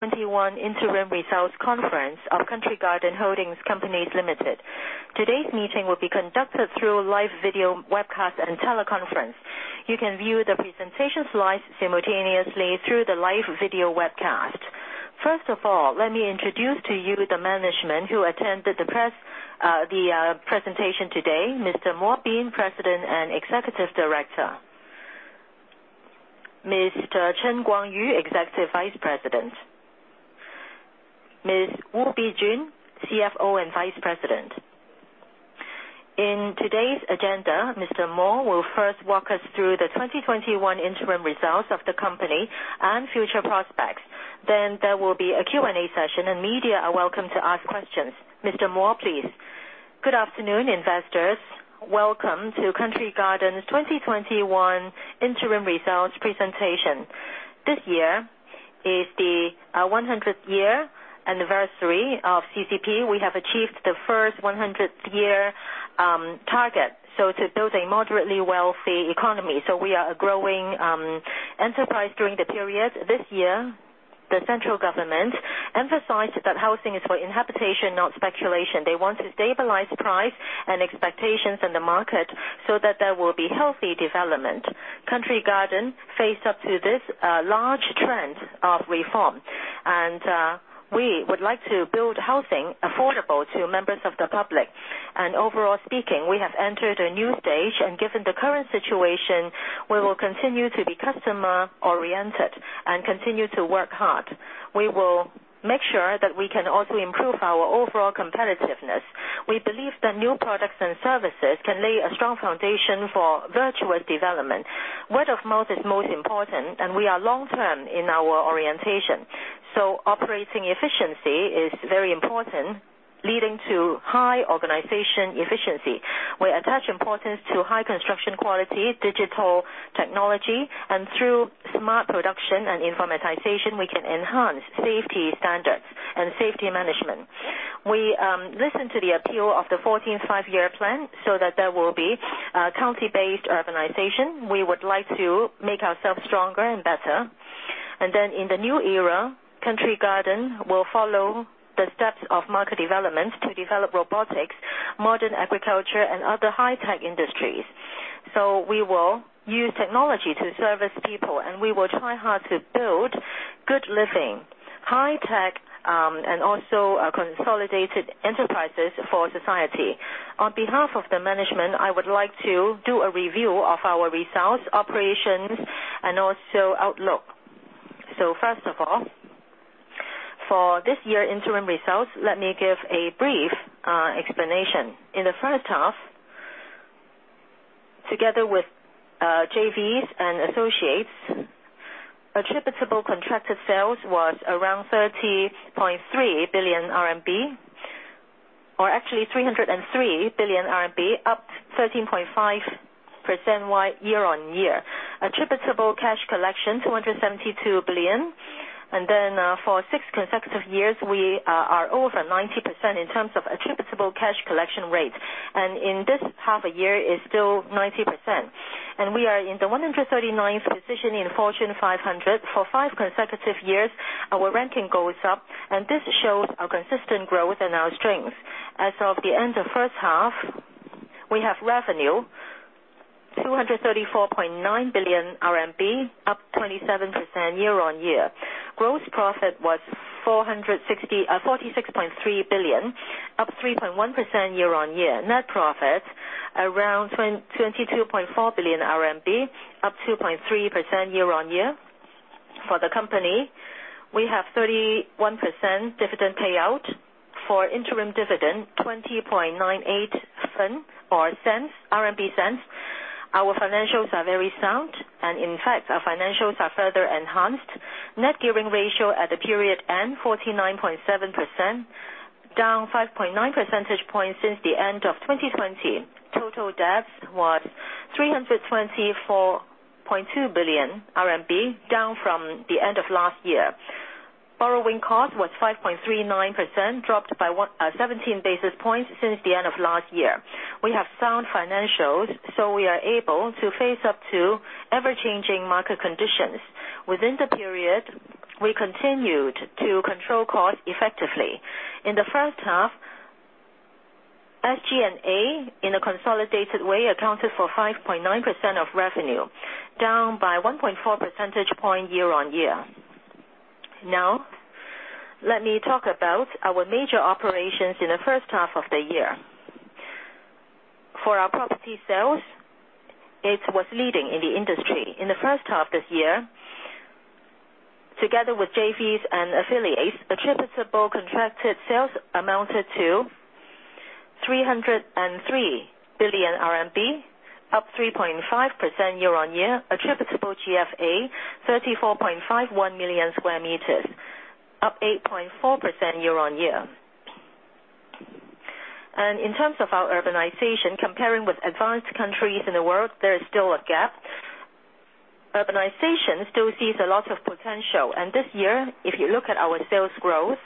2021 interim results conference of Country Garden Holdings Company Limited. Today's meeting will be conducted through live video webcast and teleconference. You can view the presentation slides simultaneously through the live video webcast. First of all, let me introduce to you the management who attended the presentation today, Mr. Mo Bin, President and Executive Director. Mr. Cheng Guangyu, Executive Vice President. Ms. Wu Bijun, CFO and Vice President. In today's agenda, Mr. Mo will first walk us through the 2021 interim results of the company and future prospects. There will be a Q&A session, and media are welcome to ask questions. Mr. Mo, please. Good afternoon, investors. Welcome to Country Garden's 2021 interim results presentation. This year is the 100th year anniversary of CCP. We have achieved the first 100th year target, so to build a moderately wealthy economy. We are a growing enterprise during the period. This year, the central government emphasized that housing is for inhabitation, not speculation. They want to stabilize price and expectations in the market so that there will be healthy development. Country Garden faced up to this large trend of reform. We would like to build housing affordable to members of the public. Overall speaking, we have entered a new stage. Given the current situation, we will continue to be customer-oriented and continue to work hard. We will make sure that we can also improve our overall competitiveness. We believe that new products and services can lay a strong foundation for virtuous development. Word of mouth is most important, and we are long-term in our orientation, so operating efficiency is very important, leading to high organization efficiency. We attach importance to high construction quality, digital technology. Through smart production and informatization, we can enhance safety standards and safety management. We listen to the appeal of the 14th Five-Year Plan so that there will be county-based urbanization. We would like to make ourselves stronger and better. In the new era, Country Garden will follow the steps of market development to develop robotics, modern agriculture, and other high-tech industries. We will use technology to service people. We will try hard to build good living, high-tech, and also consolidated enterprises for society. On behalf of the management, I would like to do a review of our results, operations, and also outlook. First of all, for this year interim results, let me give a brief explanation. In the first half, together with JVs and associates, attributable contracted sales was around 30.3 billion RMB, or actually 303 billion RMB, up 13.5% year-on-year. Attributable cash collection, 272 billion. For six consecutive years, we are over 90% in terms of attributable cash collection rate. In this half a year is still 90%. We are in the 139th position in Fortune 500. For five consecutive years, our ranking goes up, and this shows our consistent growth and our strength. As of the end of first half, we have revenue 234.9 billion RMB, up 27% year-on-year. Gross profit was 46.3 billion, up 3.1% year-on-year. Net profit, around 22.4 billion RMB, up 2.3% year-on-year. For the company, we have 31% dividend payout. For interim dividend, 0.2098. Our financials are very sound. In fact, our financials are further enhanced. Net gearing ratio at the period end, 49.7%, down 5.9 percentage points since the end of 2020. Total debt was 324.2 billion RMB, down from the end of last year. Borrowing cost was 5.39%, dropped by 17 basis points since the end of last year. We have sound financials, we are able to face up to ever-changing market conditions. Within the period, we continued to control costs effectively. In the first half, SG&A in a consolidated way accounted for 5.9% of revenue, down by 1.4 percentage point year-on-year. Let me talk about our major operations in the first half of the year. For our property sales, it was leading in the industry. In the first half this year, together with JVs and affiliates, attributable contracted sales amounted to 303 billion RMB, up 3.5% year-on-year. Attributable GFA, 34.51 million square meters, up 8.4% year-on-year. In terms of our urbanization, comparing with advanced countries in the world, there is still a gap. Urbanization still sees a lot of potential. This year, if you look at our sales growthIt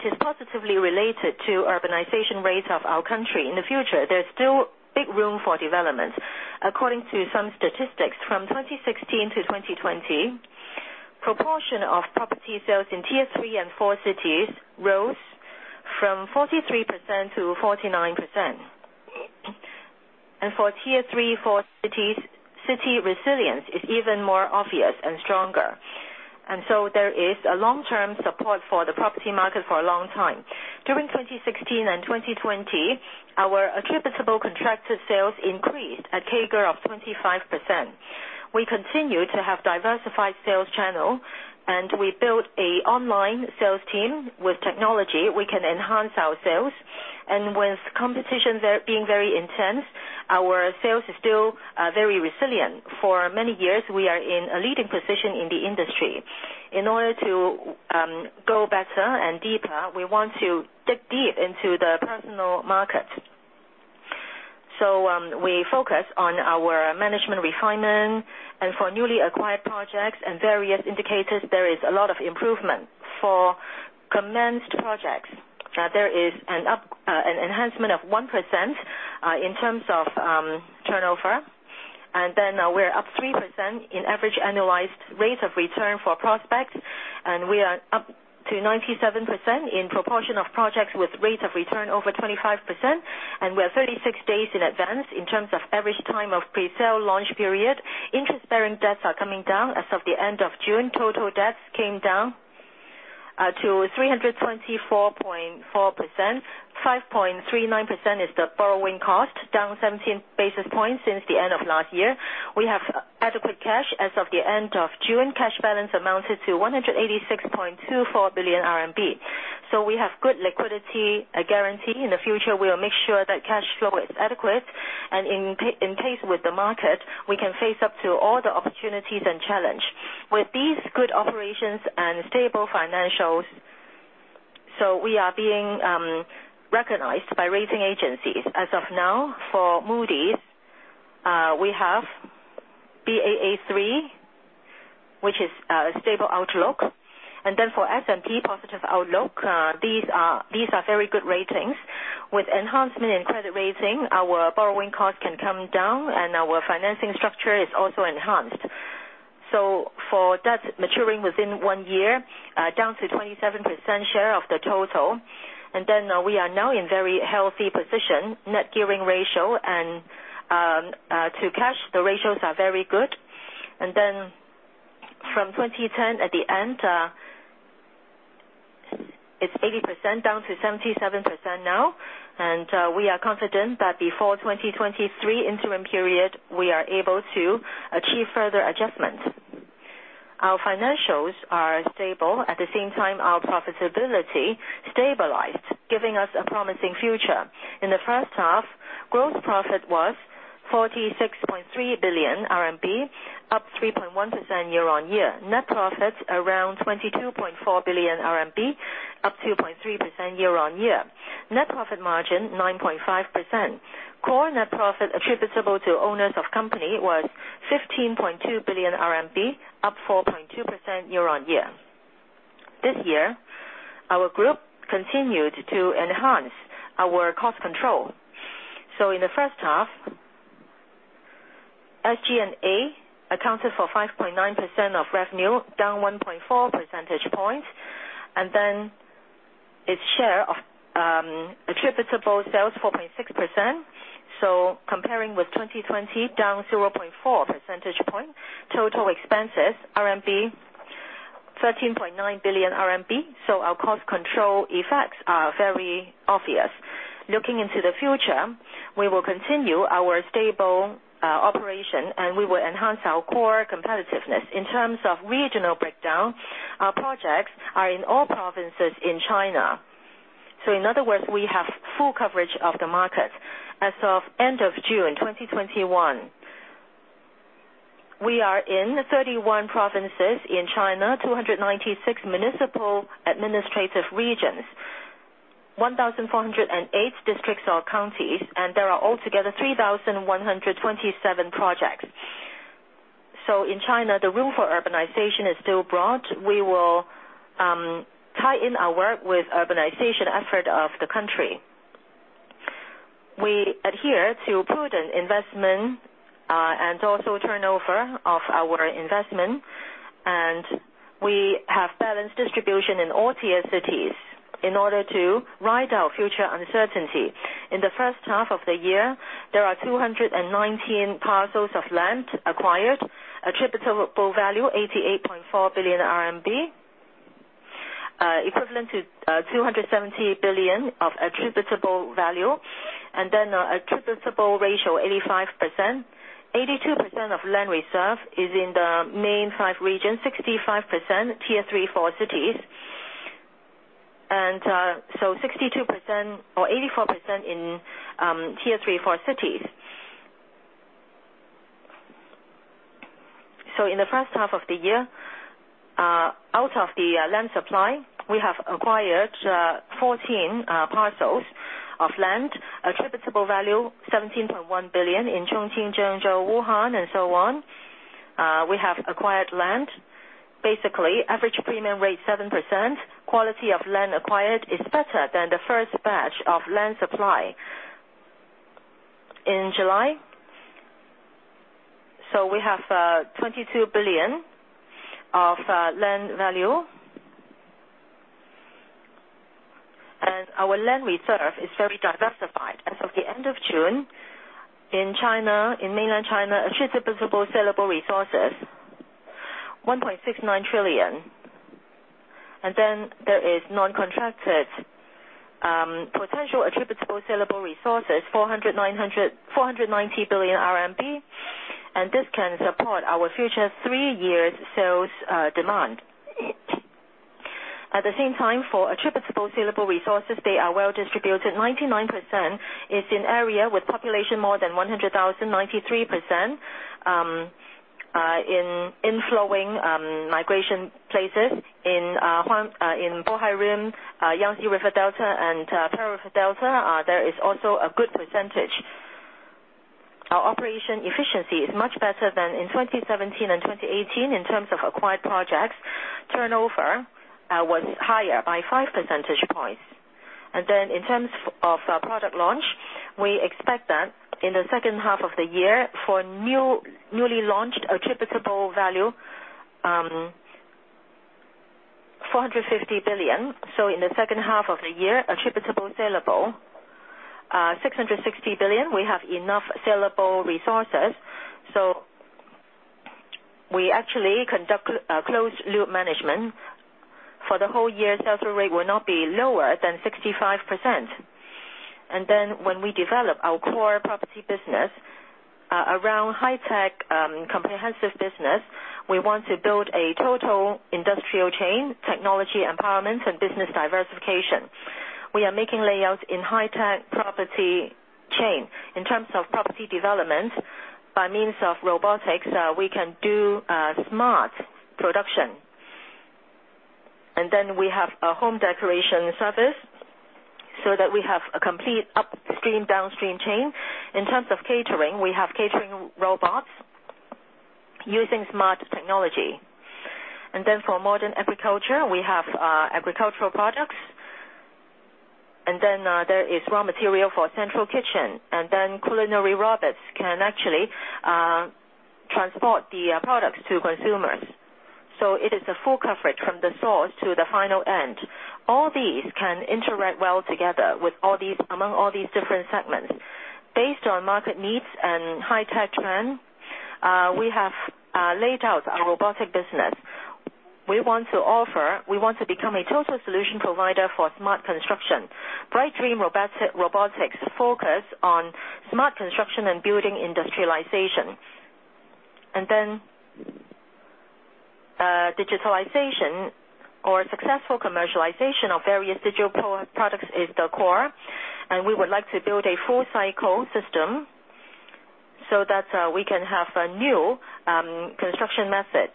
is positively related to urbanization rates of our country. In the future, there's still big room for development. According to some statistics, from 2016-2020, proportion of property sales in Tier 3 and 4 cities rose from 43%-49%. For Tier 3 and 4 cities, city resilience is even more obvious and stronger. There is a long-term support for the property market for a long time. During 2016-2020, our attributable contracted sales increased a CAGR of 25%. We continue to have diversified sales channel, and we built an online sales team. With technology, we can enhance our sales. With competition being very intense, our sales is still very resilient. For many years, we are in a leading position in the industry. In order to go better and deeper, we want to dig deep into the personal market. We focus on our management refinement, and for newly acquired projects and various indicators, there is a lot of improvement. For commenced projects, there is an enhancement of 1% in terms of turnover. We're up 3% in average annualized rates of return for prospects, and we are up to 97% in proportion of projects with rate of return over 25%, and we are 36 days in advance in terms of average time of pre-sale launch period. Interest-bearing debts are coming down. As of the end of June, total debts came down to 324.4%. 5.39% is the borrowing cost, down 17 basis points since the end of last year. We have adequate cash. As of the end of June, cash balance amounted to 186.24 billion RMB. We have good liquidity, a guarantee. In the future, we will make sure that cash flow is adequate and in pace with the market, we can face up to all the opportunities and challenge. With these good operations and stable financials, we are being recognized by rating agencies. As of now, for Moody's, we have Baa3, which is a stable outlook. For S&P, positive outlook. These are very good ratings. With enhancement in credit rating, our borrowing cost can come down and our financing structure is also enhanced. For debt maturing within one year, down to 27% share of the total. We are now in very healthy position. Net gearing ratio and to cash, the ratios are very good. From 2010 at the end, it's 80% down to 77% now. We are confident that before 2023 interim period, we are able to achieve further adjustments. Our financials are stable. At the same time, our profitability stabilized, giving us a promising future. In the first half, gross profit was 46.3 billion RMB, up 3.1% year-on-year. Net profit around 22.4 billion RMB, up 2.3% year-on-year. Net profit margin, 9.5%. Core net profit attributable to owners of company was 15.2 billion RMB, up 4.2% year-on-year. This year, our group continued to enhance our cost control. In the first half, SG&A accounted for 5.9% of revenue, down 1.4 percentage points. Its share of attributable sales, 4.6%. Comparing with 2020, down 0.4 percentage point. Total expenses, 13.9 billion RMB. Our cost control effects are very obvious. Looking into the future, we will continue our stable operation and we will enhance our core competitiveness. In terms of regional breakdown, our projects are in all provinces in China. In other words, we have full coverage of the market. As of end of June 2021, we are in 31 provinces in China, 296 municipal administrative regions, 1,408 districts or counties, and there are altogether 3,127 projects. In China, the room for urbanization is still broad. We will tie in our work with urbanization effort of the country. We adhere to prudent investment, and also turnover of our investment, and we have balanced distribution in all tier cities in order to ride out future uncertainty. In the first half of the year, there are 219 parcels of land acquired, attributable value 88.4 billion RMB, equivalent to 270 billion of attributable value, and then attributable ratio 85%. 82% of land reserve is in the main five regions, 65% Tier 3, 4 cities. 84% in Tier 3, 4 cities. In the first half of the year, out of the land supply, we have acquired 14 parcels of land, attributable value 17.1 billion in Chongqing, Zhengzhou, Wuhan, and so on. We have acquired land. Basically, average premium rate 7%. Quality of land acquired is better than the first batch of land supply in July. We have 22 billion of land value. Our land reserve is very diversified. As of the end of June, in mainland China, attributable saleable resources, 1.69 trillion. There is non-contracted potential attributable saleable resources, 490 billion RMB. This can support our future three years' sales demand. At the same time, for attributable saleable resources, they are well-distributed. 99% is in area with population more than 100,000. 93% in inflowing migration places. In Bohai Rim, Yangtze River Delta, and Pearl River Delta, there is also a good percentage. Our operation efficiency is much better than in 2017 and 2018 in terms of acquired projects. Turnover was higher by 5 percentage points. In terms of product launch, we expect that in the second half of the year, for newly launched attributable value, 450 billion. In the second half of the year, attributable saleable, 660 billion. We have enough saleable resources. We actually conduct closed loop management. For the whole year, sell-through rate will not be lower than 65%. When we develop our core property business around high-tech comprehensive business, we want to build a total industrial chain, technology empowerment, and business diversification. We are making layouts in high-tech property chain. In terms of property development, by means of robotics, we can do smart production. We have a home decoration service so that we have a complete upstream-downstream chain. In terms of catering, we have catering robots using smart technology. For modern agriculture, we have agricultural products. There is raw material for central kitchen. Culinary robots can actually transport the products to consumers. It is a full coverage from the source to the final end. All these can interact well together among all these different segments. Based on market needs and high-tech trend, we have laid out our robotic business. We want to become a total solution provider for smart construction. Bright Dream Robotics focus on smart construction and building industrialization. Digitalization or successful commercialization of various digital products is the core. We would like to build a full cycle system so that we can have a new construction method.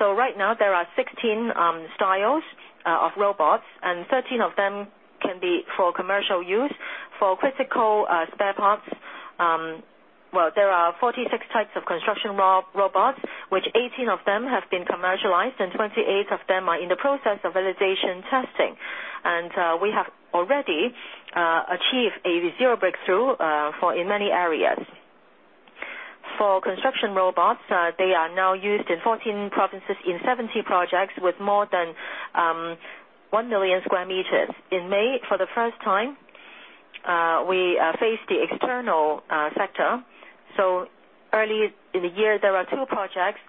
Right now there are 16 styles of robots, and 13 of them can be for commercial use. For critical spare parts, there are 46 types of construction robots, which 18 of them have been commercialized, and 28 of them are in the process of validation testing. We have already achieved a zero breakthrough in many areas. For construction robots, they are now used in 14 provinces in 70 projects with more than 1 million sq m. In May, for the first time, we faced the external sector. Early in the year, there are two projects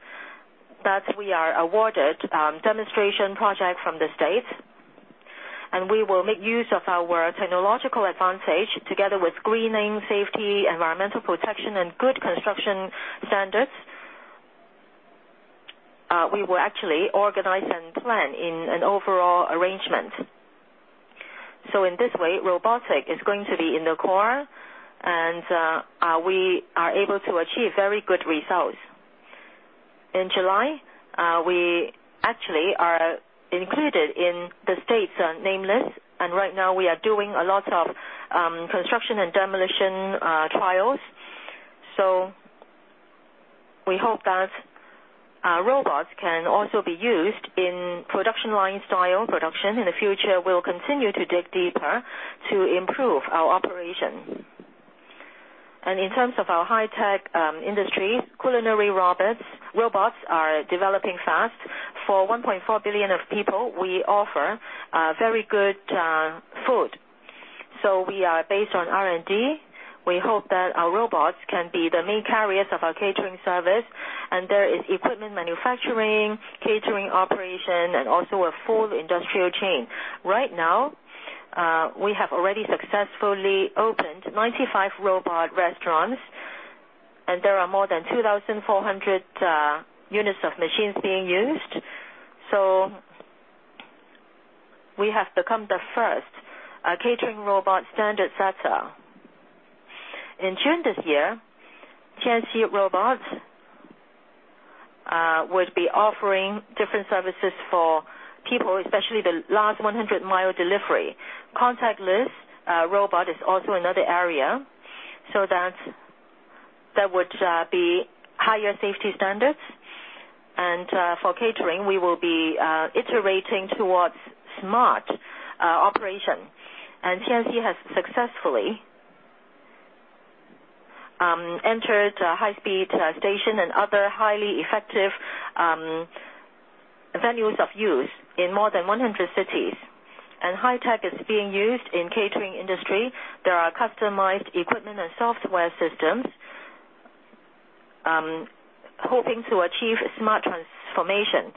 that we are awarded demonstration project from the state. We will make use of our technological advantage together with greening, safety, environmental protection, and good construction standards. We will actually organize and plan in an overall arrangement. In this way, robotics is going to be in the core, and we are able to achieve very good results. In July, we actually are included in the state's name list, and right now we are doing a lot of construction and demolition trials. We hope that our robots can also be used in production line style production. In the future, we'll continue to dig deeper to improve our operation. In terms of our high-tech industry, culinary robots are developing fast. For 1.4 billion of people, we offer very good food. We are based on R&D. We hope that our robots can be the main carriers of our catering service, and there is equipment manufacturing, catering operation, and also a full industrial chain. Right now, we have already successfully opened 95 robot restaurants, and there are more than 2,400 units of machines being used. We have become the first catering robot standard setter. In June this year, Qianxi Robots would be offering different services for people, especially the last 100-mile delivery. Contactless robot is also another area, so that there would be higher safety standards. For catering, we will be iterating towards smart operation. [CNC] has successfully entered high-speed station and other highly effective venues of use in more than 100 cities. High-tech is being used in catering industry. There are customized equipment and software systems, hoping to achieve smart transformation.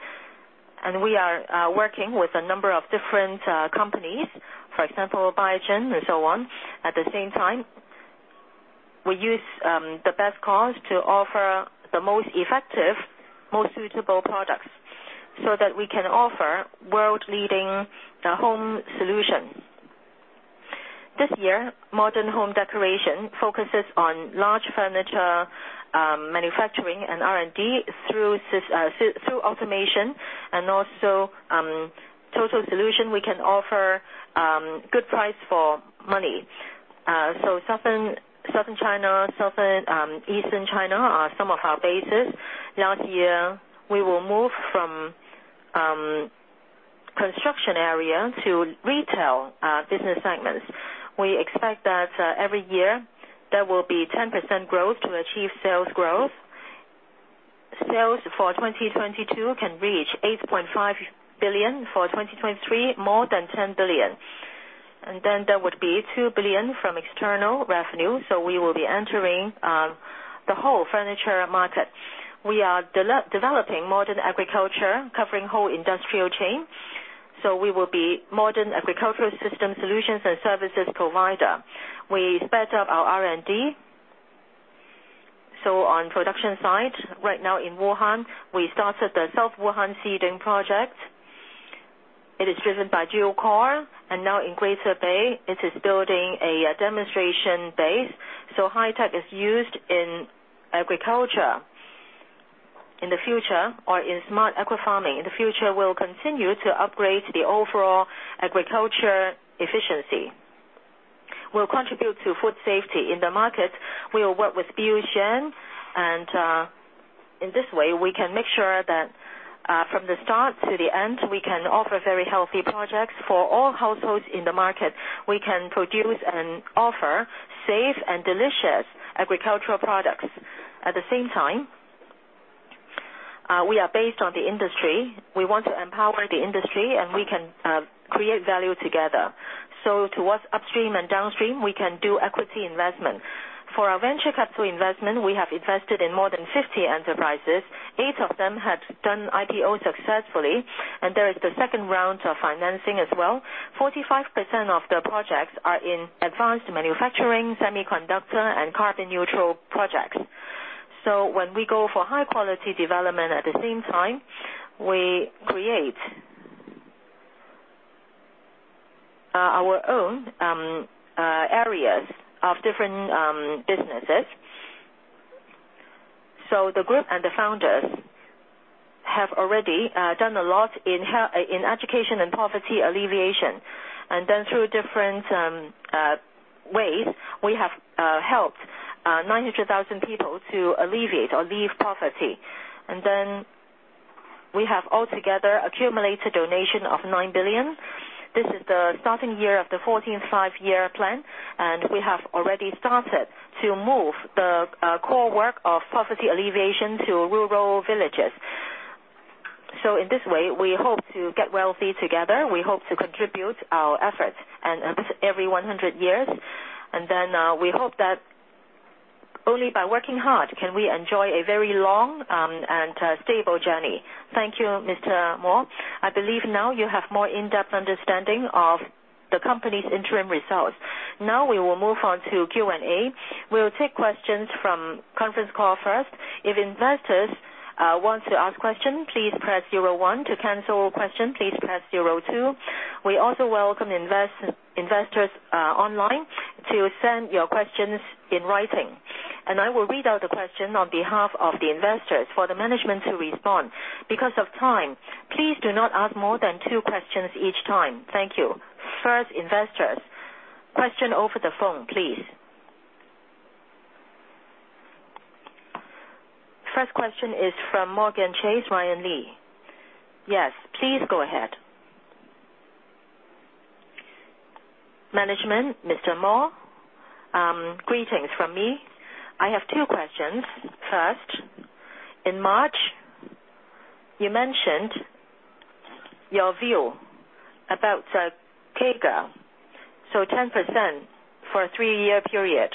We are working with a number of different companies, for example, Biogen and so on. At the same time, we use the best cars to offer the most effective, most suitable products so that we can offer world-leading home solutions. This year, modern home decoration focuses on large furniture manufacturing and R&D through automation and also total solution. We can offer good price for money. Southern China, Eastern China are some of our bases. Last year, we will move from construction area to retail business segments. We expect that every year there will be 10% growth to achieve sales growth. Sales for 2022 can reach 8.5 billion. For 2023, more than 10 billion. There would be 2 billion from external revenue. We will be entering the whole furniture market. We are developing modern agriculture, covering whole industrial chain. We will be modern agricultural system solutions and services provider. We sped up our R&D. On production side, right now in Wuhan, we started the South Wuhan seeding project. It is driven by dual-core, and now in Greater Bay, it is building a demonstration base. High-tech is used in agriculture in the future, or in smart aqua farming. In the future, we'll continue to upgrade the overall agriculture efficiency. We'll contribute to food safety in the market. We will work with Biogen, and in this way, we can make sure that from the start to the end, we can offer very healthy projects for all households in the market. We can produce and offer safe and delicious agricultural products. At the same time, we are based on the industry. We want to empower the industry, and we can create value together. Towards upstream and downstream, we can do equity investment. For our venture capital investment, we have invested in more than 50 enterprises. Eight of them have done IPO successfully, and there is the second round of financing as well. 45% of the projects are in advanced manufacturing, semiconductor, and carbon-neutral projects. When we go for high-quality development, at the same time, we create our own areas of different businesses. The group and the founders have already done a lot in education and poverty alleviation. Through different ways, we have helped 900,000 people to alleviate or leave poverty. We have altogether accumulated donation of 9 billion. This is the starting year of the 14th Five-Year Plan, and we have already started to move the core work of poverty alleviation to rural villages. In this way, we hope to get wealthy together. We hope to contribute our efforts every 100 years. We hope that only by working hard can we enjoy a very long and stable journey. Thank you, Mr. Mo. I believe now you have more in-depth understanding of the company's interim results. We will move on to Q&A. We will take questions from conference call first. If investors want to ask questions, please press zero one. To cancel a question, please press zero two. We also welcome investors online to send your questions in writing. I will read out the question on behalf of the investors for the management to respond. Because of time, please do not ask more than two questions each time. Thank you. First, investors, question over the phone, please. First question is from JPMorgan Chase, Ryan Li. Yes, please go ahead. Management, Mr. Mo, greetings from me. I have two questions. In March, you mentioned your view about the CAGR, 10% for a three-year period.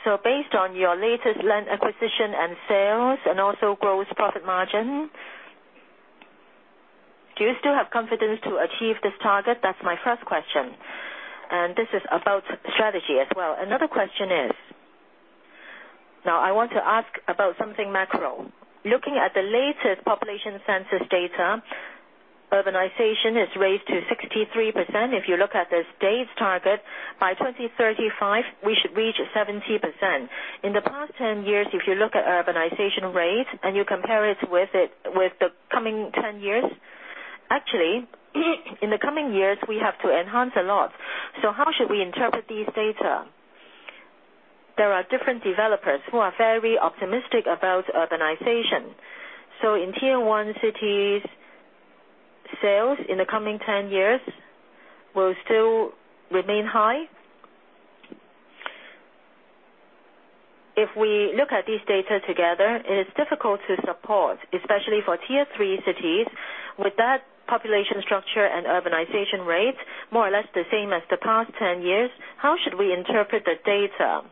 Based on your latest land acquisition and sales, and also gross profit margin, do you still have confidence to achieve this target? That's my first question. This is about strategy as well. Another question is, now I want to ask about something macro. Looking at the latest population census data. Urbanization has raised to 63%. If you look at the state's target, by 2035, we should reach 70%. In the past 10 years, if you look at urbanization rate, and you compare it with the coming 10 years, actually, in the coming years, we have to enhance a lot. How should we interpret these data? There are different developers who are very optimistic about urbanization. In Tier 1 cities, sales in the coming 10 years will still remain high. If we look at these data together, it is difficult to support, especially for Tier 3 cities. With that population structure and urbanization rate, more or less the same as the past 10 years, how should we interpret the data?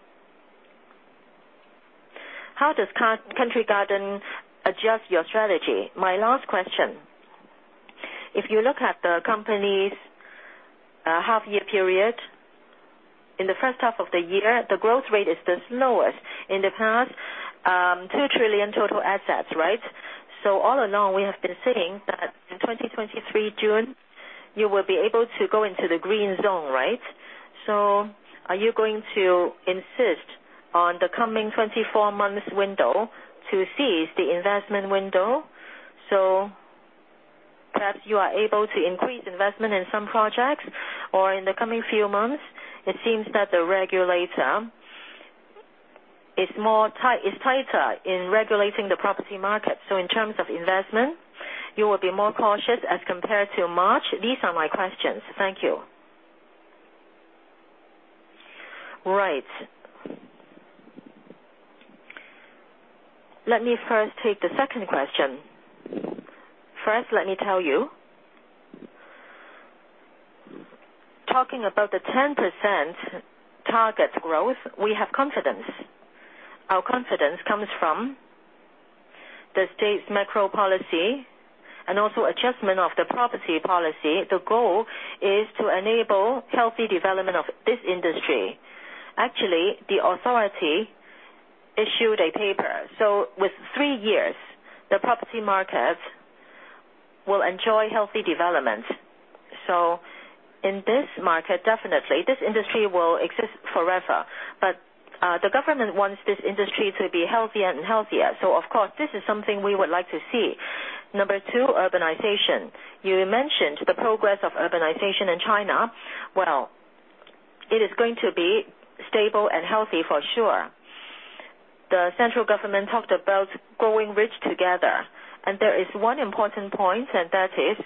How does Country Garden adjust your strategy? My last question. If you look at the company's half-year period, in the first half of the year, the growth rate is the slowest in the past. 2 trillion total assets, right? All in all, we have been saying that in 2023, June, you will be able to go into the green zone, right? Are you going to insist on the coming 24 months window to seize the investment window? Perhaps you are able to increase investment in some projects, or in the coming few months, it seems that the regulator is tighter in regulating the property market. In terms of investment, you will be more cautious as compared to March. These are my questions. Thank you. Right. Let me first take the second question. First, let me tell you. Talking about the 10% target growth, we have confidence. Our confidence comes from the state's macro policy and also adjustment of the property policy. The goal is to enable healthy development of this industry. Actually, the authority issued a paper. With three years, the property market will enjoy healthy development. In this market, definitely, this industry will exist forever. The government wants this industry to be healthier and healthier. Of course, this is something we would like to see. Number two, urbanization. You mentioned the progress of urbanization in China. Well, it is going to be stable and healthy for sure. The central government talked about growing rich together, and there is one important point, and that is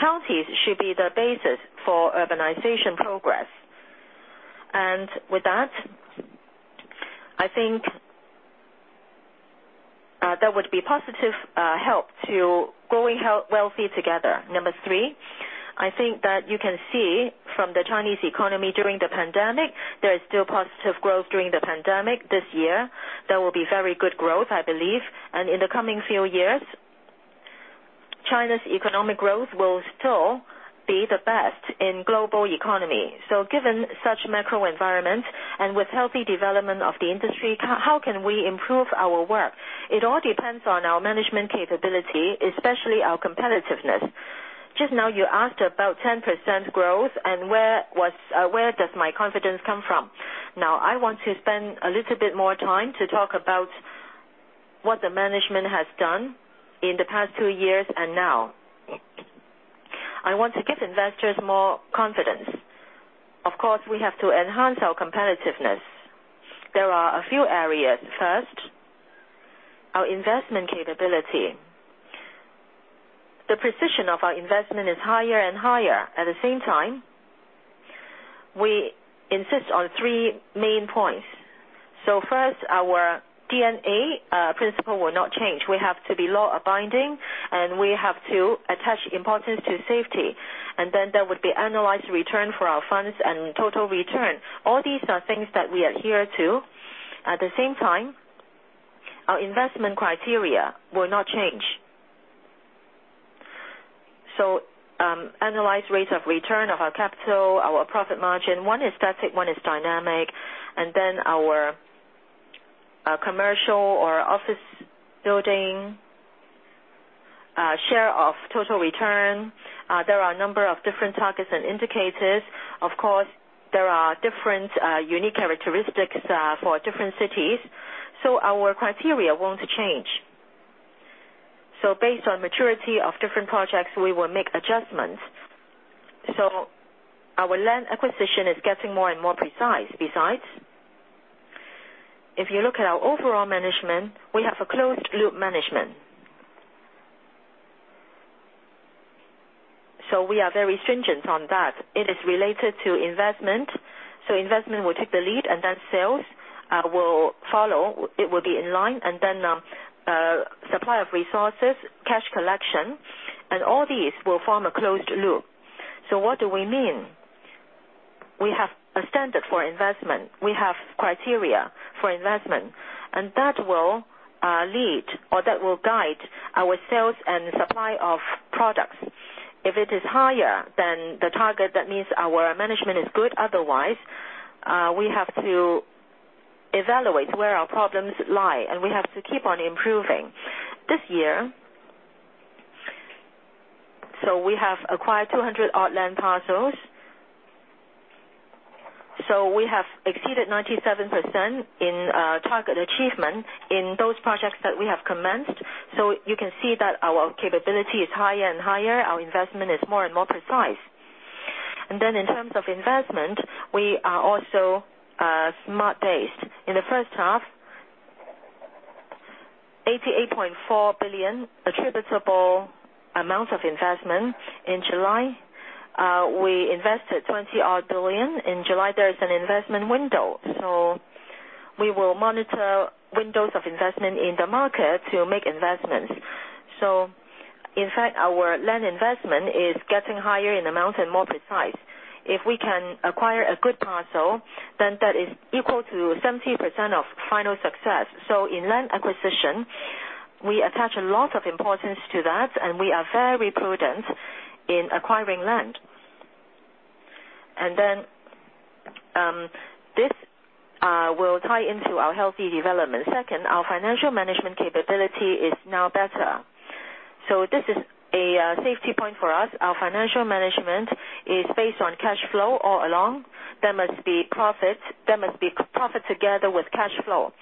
counties should be the basis for urbanization progress. With that, I think that would be positive help to growing wealthy together. Number three, I think that you can see from the Chinese economy during the pandemic, there is still positive growth during the pandemic. This year, there will be very good growth, I believe. In the coming few years, China's economic growth will still be the best in global economy. Given such macro environment and with healthy development of the industry, how can we improve our work? It all depends on our management capability, especially our competitiveness. Just now, you asked about 10% growth and where does my confidence come from. I want to spend a little bit more time to talk about what the management has done in the past two years and now. I want to give investors more confidence. Of course, we have to enhance our competitiveness. There are a few areas. First, our investment capability. The precision of our investment is higher and higher. At the same time, we insist on three main points. First, our DNA principle will not change. We have to be law-abiding, and we have to attach importance to safety. There would be annualized return for our funds and total return. All these are things that we adhere to. At the same time, our investment criteria will not change. Analyzed rates of return of our capital, our profit margin. One is static, one is dynamic. Our commercial or office building share of total return. There are a number of different targets and indicators. Of course, there are different unique characteristics for different cities. Our criteria won't change. Based on maturity of different projects, we will make adjustments. Our land acquisition is getting more and more precise. Besides, if you look at our overall management, we have a closed loop management. We are very stringent on that. It is related to investment. Investment will take the lead, and then sales will follow. It will be in line. Supply of resources, cash collection, and all these will form a closed loop. What do we mean? We have a standard for investment. We have criteria for investment, and that will lead, or that will guide our sales and supply of products. If it is higher, then the target, that means our management is good. Otherwise, we have to evaluate where our problems lie, and we have to keep on improving. This year, we have acquired 200 odd land parcels. We have exceeded 97% in target achievement in those projects that we have commenced. You can see that our capability is higher and higher, our investment is more and more precise. In terms of investment, we are also smart-based. In the first half, RMB 88.4 billion attributable amount of investment. In July, we invested 20 odd billion. In July, there is an investment window. We will monitor windows of investment in the market to make investments. In fact, our land investment is getting higher in amount and more precise. If we can acquire a good parcel, then that is equal to 70% of final success. In land acquisition, we attach a lot of importance to that, and we are very prudent in acquiring land. This will tie into our healthy development. Second, our financial management capability is now better. This is a safety point for us. Our financial management is based on cash flow all along. There must be profit together with cash flow.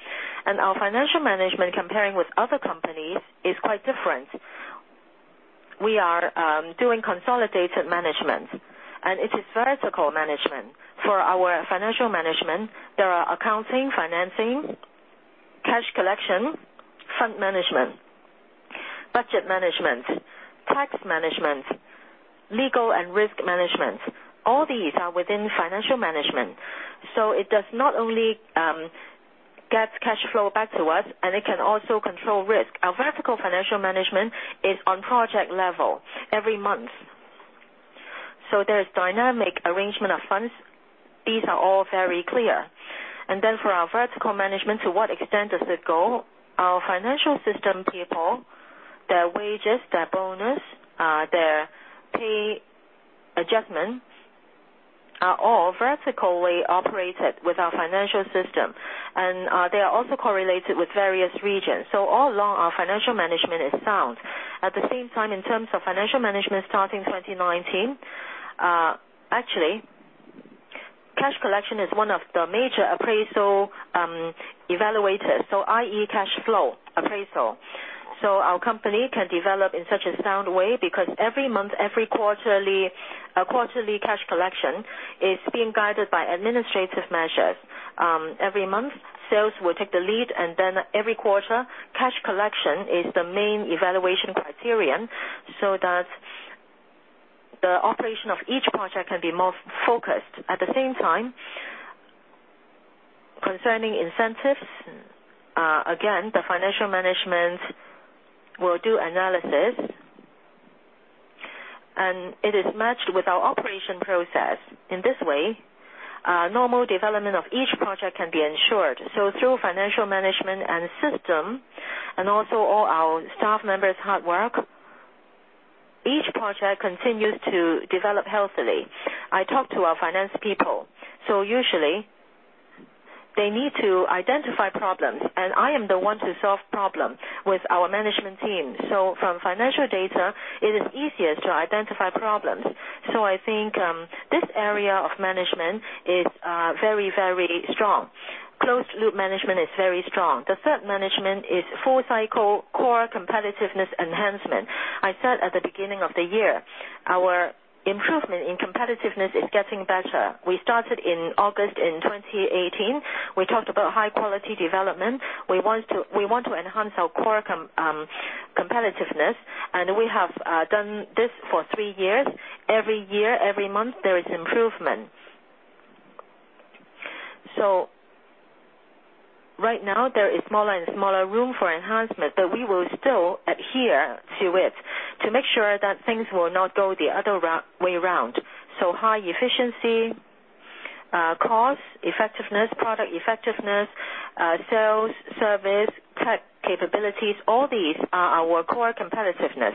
Our financial management, comparing with other companies, is quite different. We are doing consolidated management, and it is vertical management. For our financial management, there are accounting, financing, cash collection, fund management, budget management, tax management, legal and risk management. All these are within financial management. It does not only get cash flow back to us, and it can also control risk. Our vertical financial management is on project level every month. There is dynamic arrangement of funds. These are all very clear. For our vertical management, to what extent does it go? Our financial system people, their wages, their bonus, their pay adjustment, are all vertically operated with our financial system. They are also correlated with various regions. All along, our financial management is sound. At the same time, in terms of financial management, starting 2019, actually, cash collection is one of the major appraisal evaluators. I.e. cash flow appraisal. Our company can develop in such a sound way because every month, every quarterly cash collection is being guided by administrative measures. Every month, sales will take the lead, and then every quarter, cash collection is the main evaluation criterion so that the operation of each project can be more focused. At the same time, concerning incentives, again, the financial management will do analysis, and it is matched with our operation process. In this way, normal development of each project can be ensured. Through financial management and system, and also all our staff members' hard work, each project continues to develop healthily. I talk to our finance people, usually, they need to identify problems, and I am the one to solve problem with our management team. From financial data, it is easiest to identify problems. I think, this area of management is very, very strong. Closed loop management is very strong. The third management is full cycle core competitiveness enhancement. I said at the beginning of the year, our improvement in competitiveness is getting better. We started in August in 2018. We talked about high-quality development. We want to enhance our core competitiveness, and we have done this for three years. Every year, every month, there is improvement. Right now, there is smaller and smaller room for enhancement, but we will still adhere to it to make sure that things will not go the other way around. High efficiency, cost effectiveness, product effectiveness, sales, service, tech capabilities, all these are our core competitiveness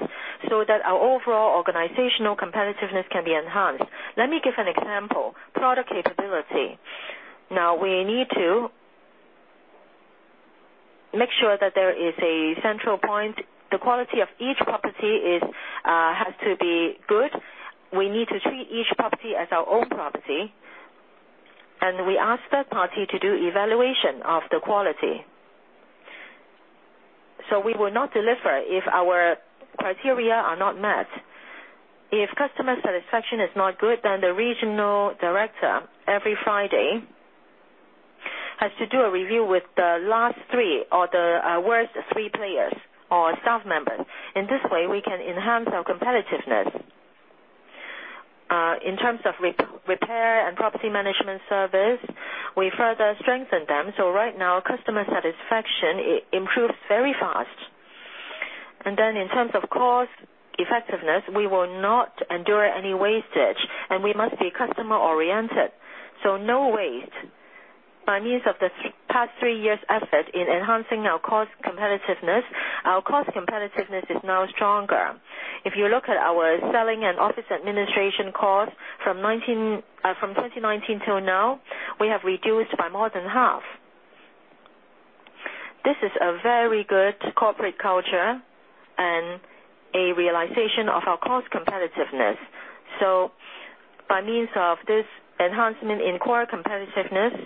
so that our overall organizational competitiveness can be enhanced. Let me give an example. Product capability. We need to make sure that there is a central point. The quality of each property has to be good. We need to treat each property as our own property, and we ask third-party to do evaluation of the quality. We will not deliver if our criteria are not met. If customer satisfaction is not good, then the regional director, every Friday, has to do a review with the last three or the worst three players or staff members. In this way, we can enhance our competitiveness. In terms of repair and property management service, we further strengthen them. Right now, customer satisfaction improves very fast. In terms of cost effectiveness, we will not endure any wastage, and we must be customer oriented. No waste. By means of the past three years' effort in enhancing our cost competitiveness, our cost competitiveness is now stronger. If you look at our selling and office administration cost from 2019 till now, we have reduced by more than half. This is a very good corporate culture and a realization of our cost competitiveness. By means of this enhancement in core competitiveness,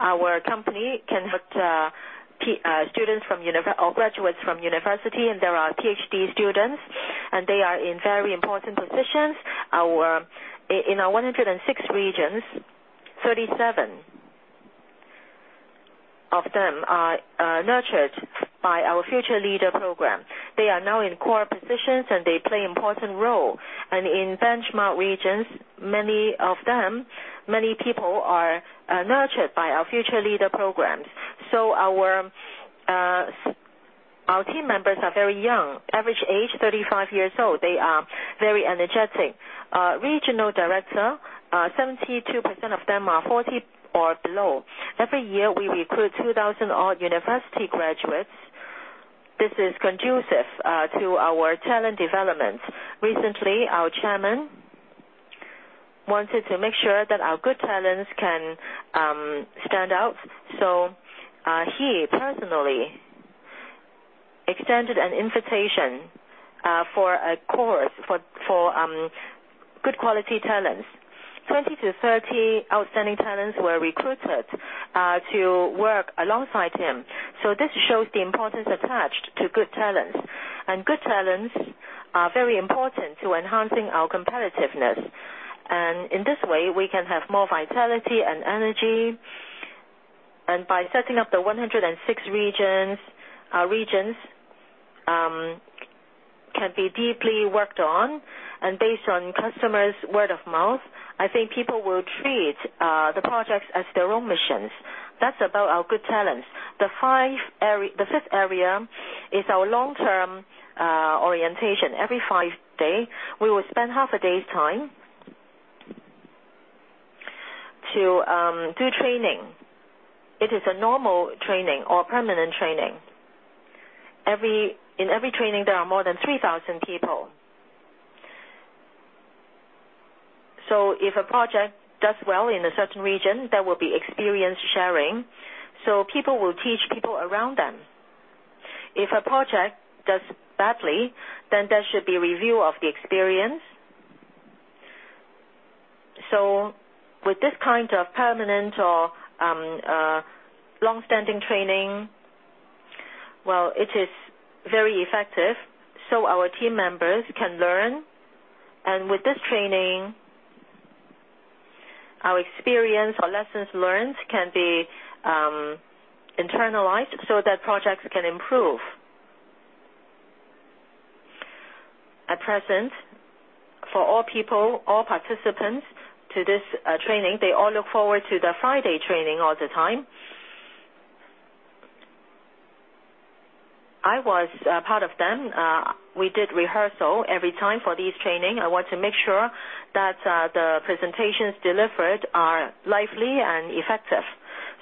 our company can help graduates from university, and there are PhD students, and they are in very important positions. In our 106 regions, 37 of them are nurtured by our Future Leader Program. They are now in core positions, they play important role. In benchmark regions, many people are nurtured by our Future Leader Programs. Our team members are very young, average age 35 years old. They are very energetic. Regional director, 72% of them are 40 or below. Every year, we recruit 2,000 odd university graduates. This is conducive to our talent development. Recently, our chairman wanted to make sure that our good talents can stand out, he personally extended an invitation for a course for good quality talents. 20 to 30 outstanding talents were recruited to work alongside him. This shows the importance attached to good talents. Good talents are very important to enhancing our competitiveness. In this way, we can have more vitality and energy. By setting up the 106 regions, our regions can be deeply worked on. Based on customers' word of mouth, I think people will treat the projects as their own missions. That's about our good talents. The fifth area is our long-term orientation. Every five day, we will spend half a day's time to do training. It is a normal training or permanent training. In every training, there are more than 3,000 people. If a project does well in a certain region, there will be experience sharing, so people will teach people around them. If a project does badly, there should be review of the experience. With this kind of permanent or long-standing training, well, it is very effective, so our team members can learn. With this training, our experience or lessons learned can be internalized so that projects can improve. At present, for all people, all participants to this training, they all look forward to the Friday training all the time. I was a part of them. We did rehearsal every time for these training. I want to make sure that the presentations delivered are lively and effective.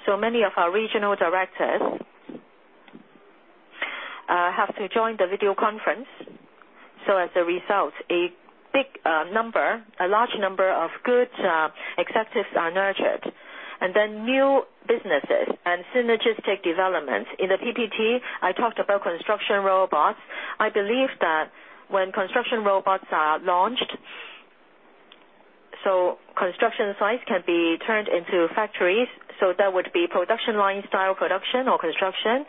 Many of our regional directors have to join the video conference. As a result, a large number of good executives are nurtured. New businesses and synergistic developments. In the PPT, I talked about construction robots. I believe that when construction robots are launched, so construction sites can be turned into factories. That would be production line style production or construction.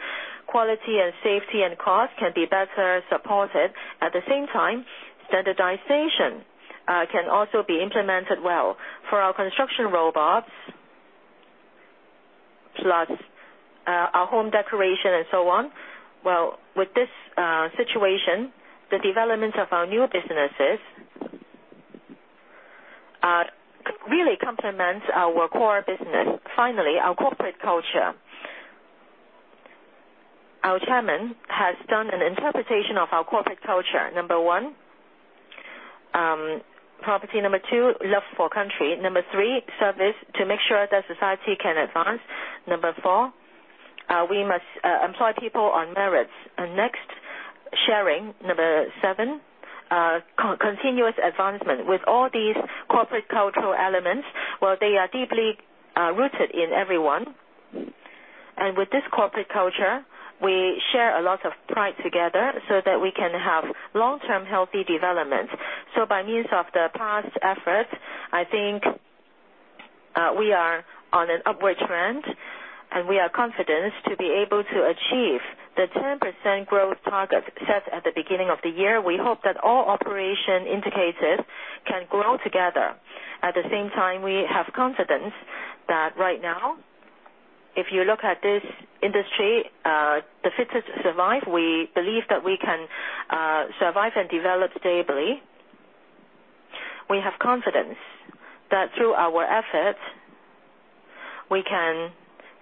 Quality and safety and cost can be better supported. At the same time, standardization can also be implemented well. For our construction robots, plus our home decoration and so on, well, with this situation, the development of our new businesses really complements our core business. Finally, our corporate culture. Our chairman has done an interpretation of our corporate culture. Number one, property. Number two, love for country. Number three, service to make sure that society can advance. Number four, we must employ people on merits. Next, sharing, Number seven, continuous advancement. With all these corporate cultural elements, well, they are deeply rooted in everyone. With this corporate culture, we share a lot of pride together so that we can have long-term healthy development. By means of the past effort, I think we are on an upward trend, and we are confident to be able to achieve the 10% growth target set at the beginning of the year. We hope that all operation indicators can grow together. At the same time, we have confidence that right now, if you look at this industry, the fittest survive. We believe that we can survive and develop stably. We have confidence that through our efforts, we can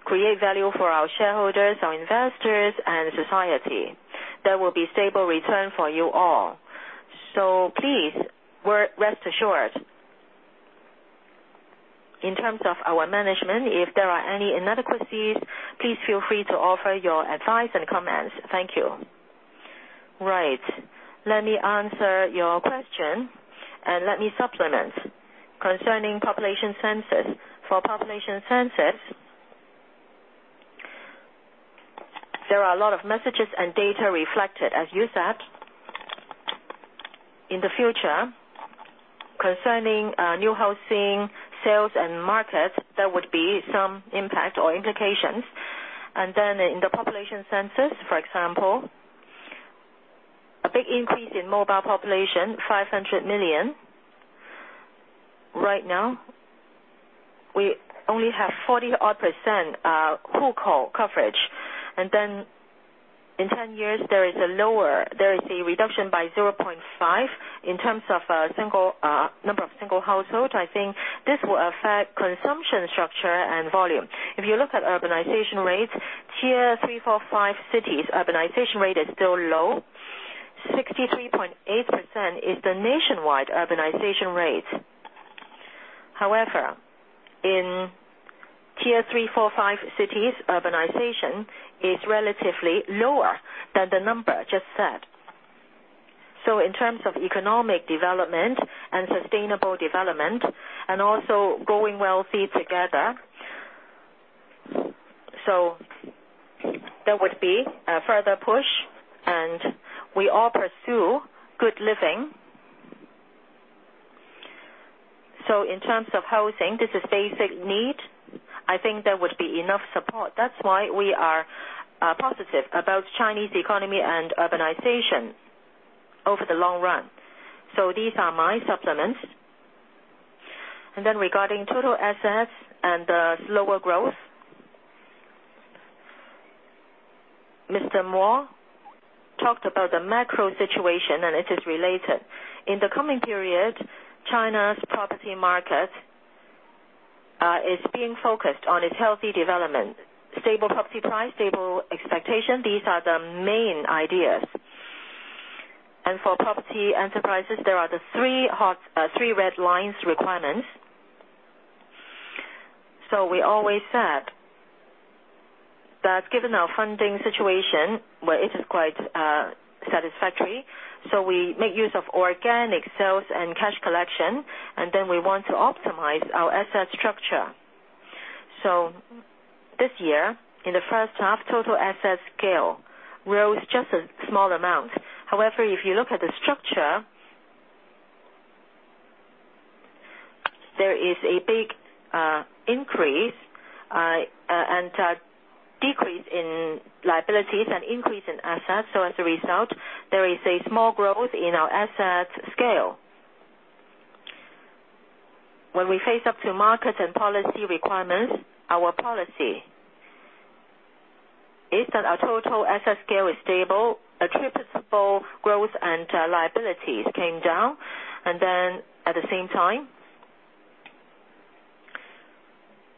create value for our shareholders, our investors, and society. There will be stable return for you all. Please rest assured. In terms of our management, if there are any inadequacies, please feel free to offer your advice and comments. Thank you. Right. Let me answer your question and let me supplement. Concerning population census. For population census, there are a lot of messages and data reflected. As you said, in the future, concerning new housing, sales, and market, there would be some impact or implications. In the population census, for example, a big increase in mobile population, 500 million. Right now, we only have 40% household coverage. In 10 years, there is a reduction by 0.5 in terms of number of single households. I think this will affect consumption structure and volume. If you look at urbanization rates, Tier 3, 4, 5 cities, urbanization rate is still low. 63.8% is the nationwide urbanization rate. However, in Tier 3, 4, 5 cities, urbanization is relatively lower than the number just said. In terms of economic development and sustainable development and also going wealthy together, there would be a further push, and we all pursue good living. In terms of housing, this is basic need. I think there would be enough support. That's why we are positive about Chinese economy and urbanization over the long run. These are my supplements. Regarding total assets and slower growth, Mr. Mo talked about the macro situation, and it is related. In the coming period, China's property market is being focused on its healthy development. Stable property price, stable expectation, these are the main ideas. For property enterprises, there are the three red lines requirements. We always said that given our funding situation, where it is quite satisfactory, so we make use of organic sales and cash collection, and then we want to optimize our asset structure. This year, in the first half, total asset scale rose just a small amount. However, if you look at the structure, there is a big decrease in liabilities and increase in assets. As a result, there is a small growth in our asset scale. When we face up to market and policy requirements, our policy is that our total asset scale is stable, attributable growth and liabilities came down. At the same time,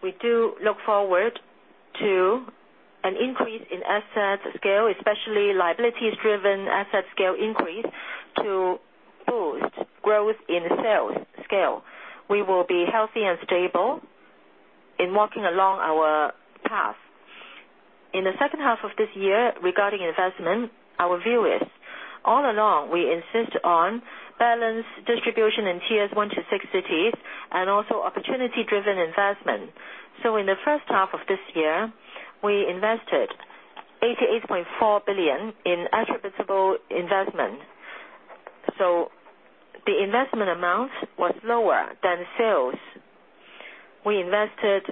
we do look forward to an increase in asset scale, especially liabilities-driven asset scale increase to boost growth in sales scale. We will be healthy and stable in walking along our path. In the second half of this year, regarding investment, our view is, all along, we insist on balance distribution in Tiers 1 to 6 cities and also opportunity-driven investment. In the first half of this year, we invested 88.4 billion in attributable investment. The investment amount was lower than sales. We invested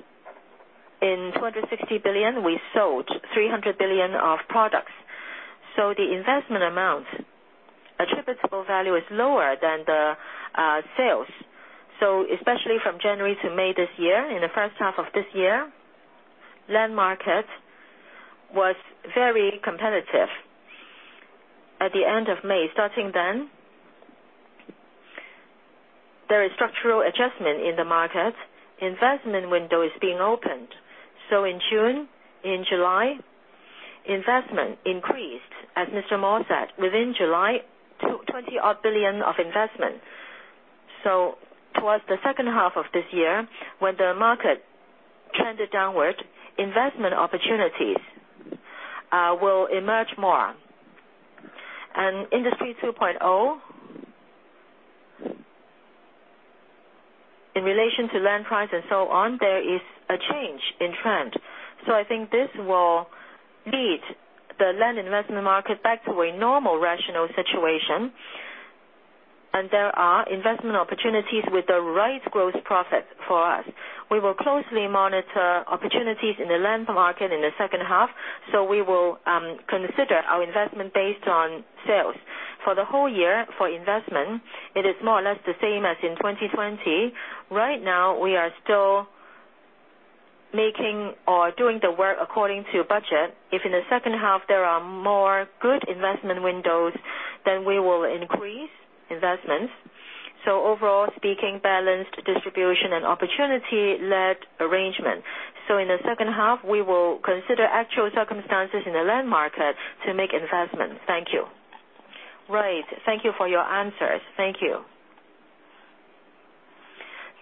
in 260 billion. We sold 300 billion of products. The investment amount, attributable value is lower than the sales. Especially from January to May this year, in the first half of this year, land market was very competitive. At the end of May, starting then, there is structural adjustment in the market. Investment window is being opened. In June, in July, investment increased, as Mr. Mo said, within July, 20-odd billion of investment. Towards the second half of this year, when the market trended downward, investment opportunities will emerge more. Industry 2.0, in relation to land price and so on, there is a change in trend. I think this will lead the land investment market back to a normal rational situation, and there are investment opportunities with the right gross profit for us. We will closely monitor opportunities in the land market in the second half, so we will consider our investment based on sales. For the whole year, for investment, it is more or less the same as in 2020. Right now, we are still making or doing the work according to budget. If in the second half, there are more good investment windows, then we will increase investments. Overall speaking, balanced distribution and opportunity-led arrangement. In the second half, we will consider actual circumstances in the land market to make investments. Thank you. Right. Thank you for your answers. Thank you.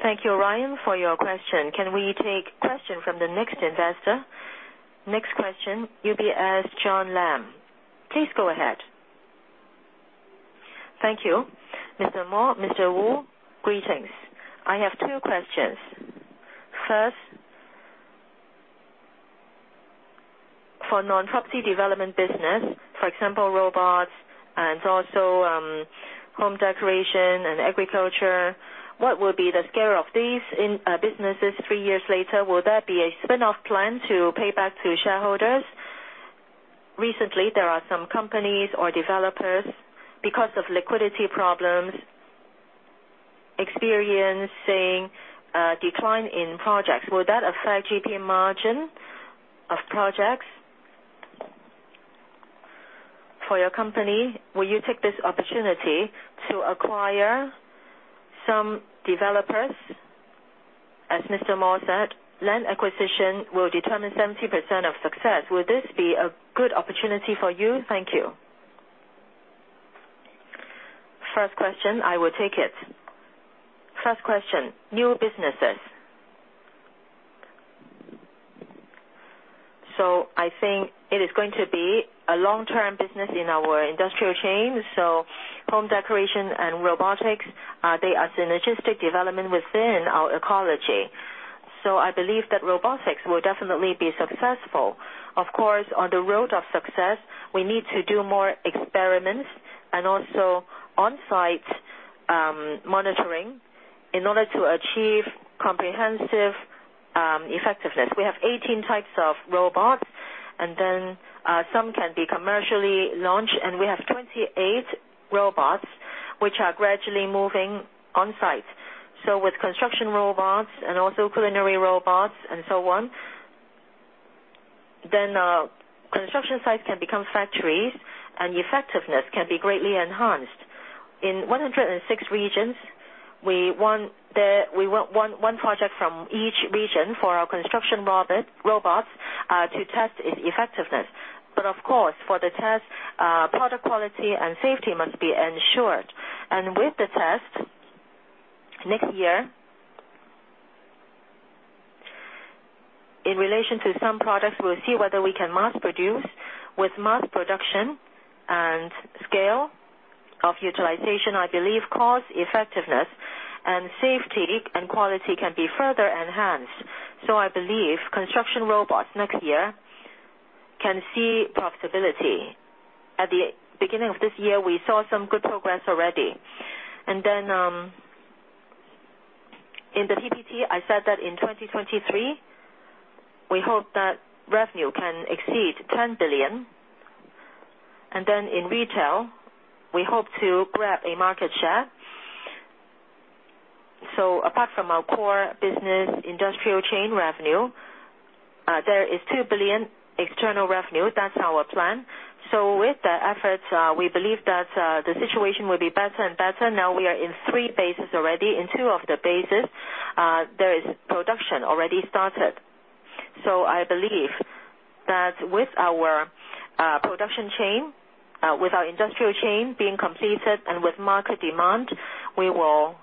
Thank you, Ryan, for your question. Can we take question from the next investor? Next question, UBS, John Lam. Please go ahead. Thank you. Mr. Wu, greetings. I have two questions. First, for non-property development business, for example, robots and also home decoration and agriculture, what will be the scale of these businesses three years later? Will there be a spin-off plan to pay back to shareholders? Recently, there are some companies or developers, because of liquidity problems, experiencing a decline in projects. Will that affect GP margin of projects for your company? Will you take this opportunity to acquire some developers? As Mr. Mo said, land acquisition will determine 70% of success. Will this be a good opportunity for you? Thank you. First question, I will take it. First question, new businesses. I think it is going to be a long-term business in our industrial chain. Home decoration and robotics, they are synergistic development within our ecology. I believe that robotics will definitely be successful. Of course, on the road of success, we need to do more experiments and also on-site monitoring in order to achieve comprehensive effectiveness. We have 18 types of robots, and then some can be commercially launched, and we have 28 robots which are gradually moving on-site. With construction robots and also culinary robots and so on, then construction sites can become factories, and effectiveness can be greatly enhanced. In 106 regions, we want one project from each region for our construction robots to test its effectiveness. Of course, for the test, product quality and safety must be ensured. With the test, next year, in relation to some products, we'll see whether we can mass produce. With mass production and scale of utilization, I believe cost effectiveness and safety and quality can be further enhanced. I believe construction robots next year can see profitability. At the beginning of this year, we saw some good progress already. In the PPT, I said that in 2023, we hope that revenue can exceed $10 billion. In retail, we hope to grab a market share. Apart from our core business industrial chain revenue, there is $2 billion external revenue. That's our plan. With the efforts, we believe that the situation will be better and better. Now we are in three bases already. In two of the bases, there is production already started. I believe that with our production chain, with our industrial chain being completed, and with market demand, we will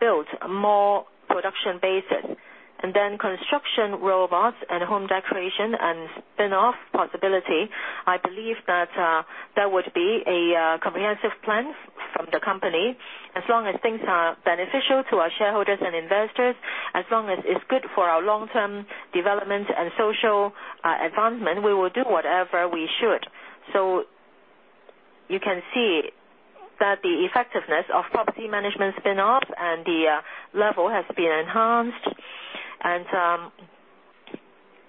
build more production bases. Then construction robots and home decoration and spin-off possibility, I believe that would be a comprehensive plan from the company. As long as things are beneficial to our shareholders and investors, as long as it's good for our long-term development and social advancement, we will do whatever we should. You can see that the effectiveness of property management spin-off and the level has been enhanced, and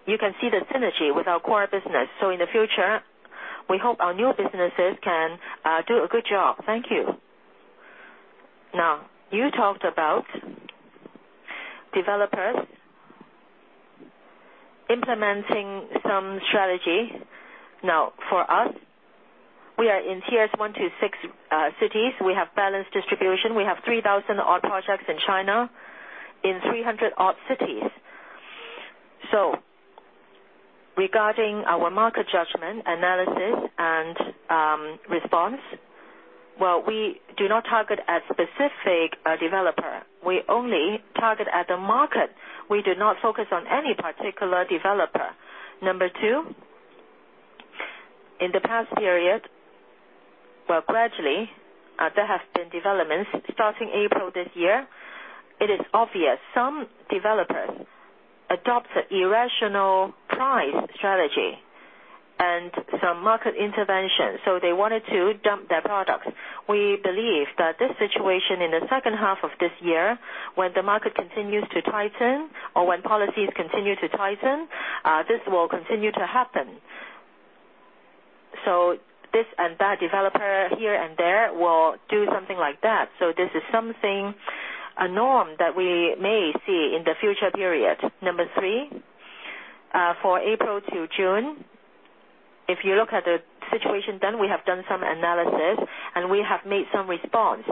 you can see the synergy with our core business. In the future, we hope our new businesses can do a good job. Thank you. You talked about developers implementing some strategy. For us, we are in tiers 1 to 6 cities. We have balanced distribution. We have 3,000 odd projects in China in 300 odd cities. Regarding our market judgment, analysis, and response, well, we do not target at specific developer. We only target at the market. We do not focus on any particular developer. Number 2, in the past period, well, gradually, there have been developments starting April this year. It is obvious some developers adopt irrational price strategy and some market intervention, so they wanted to dump their products. We believe that this situation in the second half of this year, when the market continues to tighten or when policies continue to tighten, this will continue to happen. This and that developer here and there will do something like that. This is something, a norm that we may see in the future period. Number 3, for April to June, if you look at the situation then, we have done some analysis and we have made some response.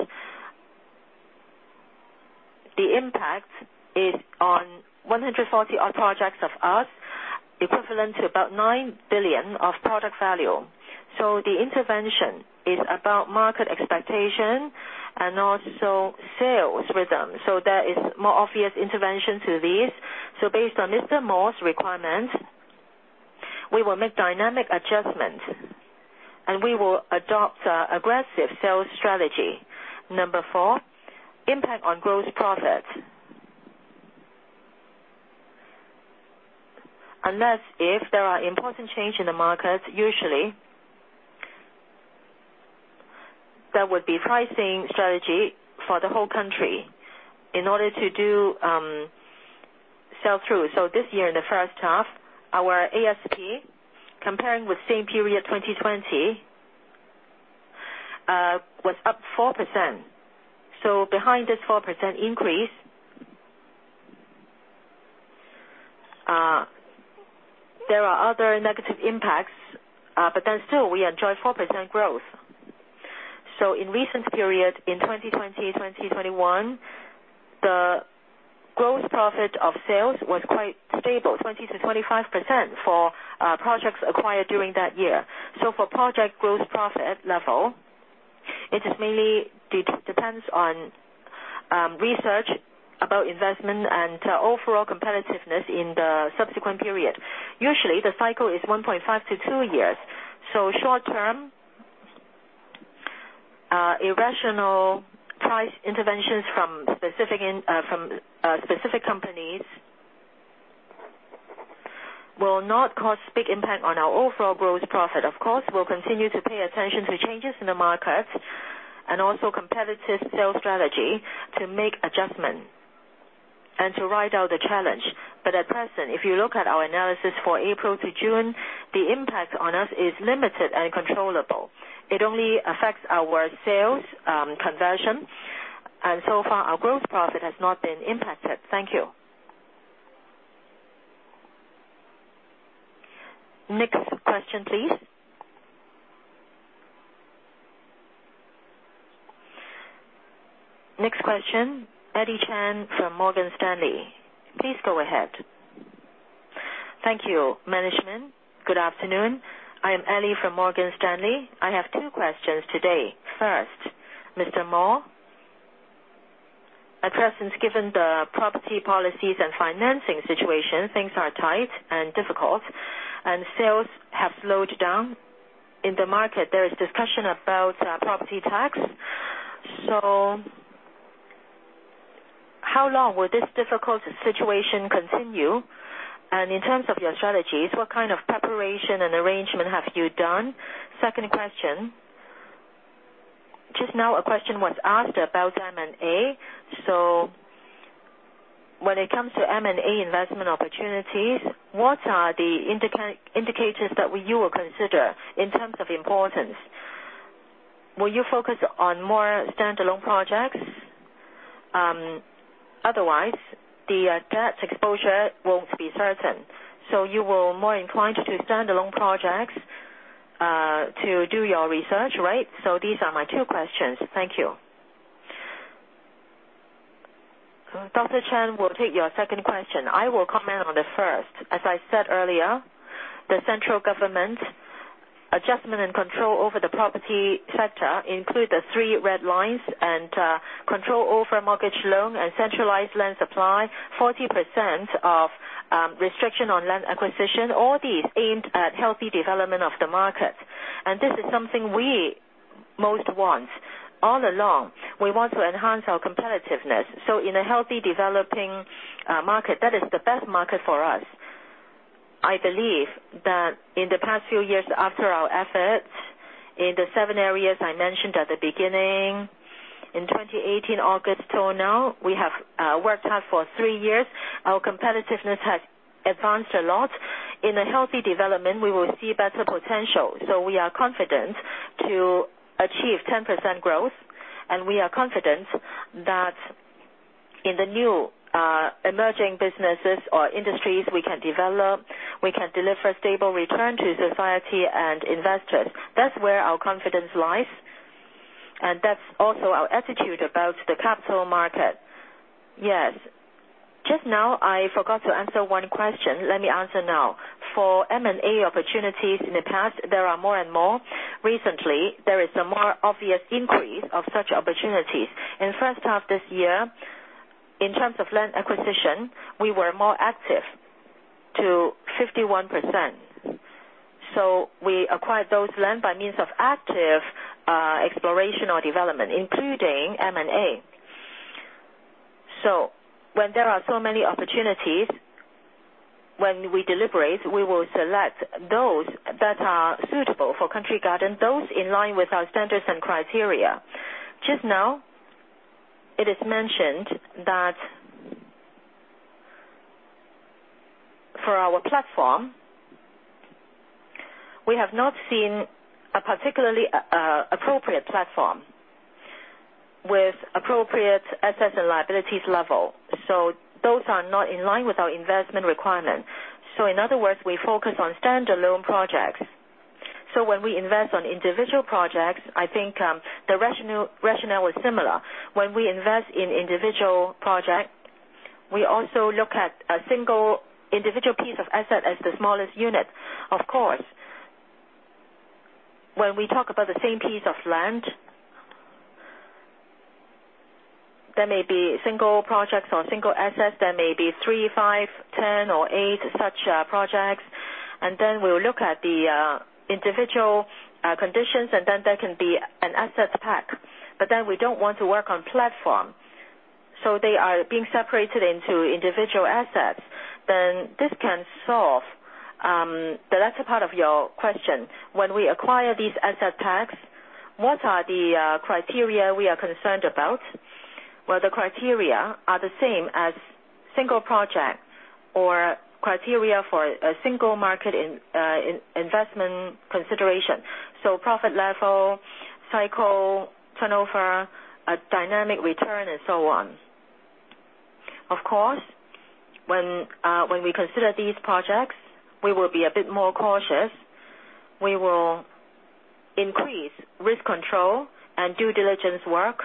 The impact is on 140 projects of us, equivalent to about 9 billion of product value. The intervention is about market expectation and also sales rhythm. There is more obvious intervention to these. Based on Mr. Mo's requirements, we will make dynamic adjustments and we will adopt aggressive sales strategy. Number 4, impact on gross profit. Unless if there are important change in the market, usually, there would be pricing strategy for the whole country in order to do sell through. This year in the first half, our ASP, comparing with same period 2020, was up 4%. Behind this 4% increase, there are other negative impacts, still we enjoy 4% growth. In recent period, in 2020, 2021, the Gross Profit of sales was quite stable, 20%-25% for projects acquired during that year. For project Gross Profit level, it mainly depends on research about investment and overall competitiveness in the subsequent period. Usually, the cycle is 1.5-2 years. Short-term, irrational price interventions from specific companies will not cause big impact on our overall Gross Profit. Of course, we'll continue to pay attention to changes in the market and also competitive sales strategy to make adjustment and to ride out the challenge. At present, if you look at our analysis for April to June, the impact on us is limited and controllable. It only affects our sales conversion, and so far, our Gross Profit has not been impacted. Thank you. Next question, please. Next question, Elly Chan from Morgan Stanley. Please go ahead. Thank you. Management, good afternoon. I am Elly from Morgan Stanley. I have two questions today. First, Mr. Mo, at present, given the property policies and financing situation, things are tight and difficult, and sales have slowed down. In the market, there is discussion about property tax. How long will this difficult situation continue? In terms of your strategies, what kind of preparation and arrangement have you done? Second question, just now a question was asked about M&A. When it comes to M&A investment opportunities, what are the indicators that you will consider in terms of importance? Will you focus on more standalone projects? Otherwise, the debt exposure won't be certain. You will more inclined to standalone projects to do your research, right? These are my two questions. Thank you. Dr. Cheng will take your second question. I will comment on the first. As I said earlier, the central government adjustment and control over the property sector include the three red lines and control over mortgage loan and centralized land supply, 40% of restriction on land acquisition, all these aimed at healthy development of the market. This is something we most want. All along, we want to enhance our competitiveness. In a healthy developing market, that is the best market for us. I believe that in the past few years after our efforts in the seven areas I mentioned at the beginning, in 2018 August till now, we have worked hard for three years. Our competitiveness has advanced a lot. In a healthy development, we will see better potential. We are confident to achieve 10% growth, and we are confident that in the new emerging businesses or industries we can develop, we can deliver stable return to society and investors. That's where our confidence lies, and that's also our attitude about the capital market. Yes. Just now, I forgot to answer 1 question. Let me answer now. For M&A opportunities, in the past, there are more and more. Recently, there is a more obvious increase of such opportunities. In first half this year, in terms of land acquisition, we were more active to 51%. We acquired those land by means of active exploration or development, including M&A. When there are so many opportunities, when we deliberate, we will select those that are suitable for Country Garden, those in line with our standards and criteria. Just now, it is mentioned that for our platform, we have not seen a particularly appropriate platform with appropriate assets and liabilities level. Those are not in line with our investment requirement. In other words, we focus on standalone projects. When we invest on individual projects, I think the rationale is similar. When we invest in individual projects, we also look at a single individual piece of asset as the smallest unit. Of course, when we talk about the same piece of land, there may be single projects or single assets. There may be three, five, 10, or eight such projects. We will look at the individual conditions, and then there can be an asset pack. We don't want to work on platform. They are being separated into individual assets. This can solve the latter part of your question. When we acquire these asset packs, what are the criteria we are concerned about? The criteria are the same as single project or criteria for a single market investment consideration. Profit level, cycle, turnover, dynamic return, and so on. Of course, when we consider these projects, we will be a bit more cautious. We will increase risk control and due diligence work.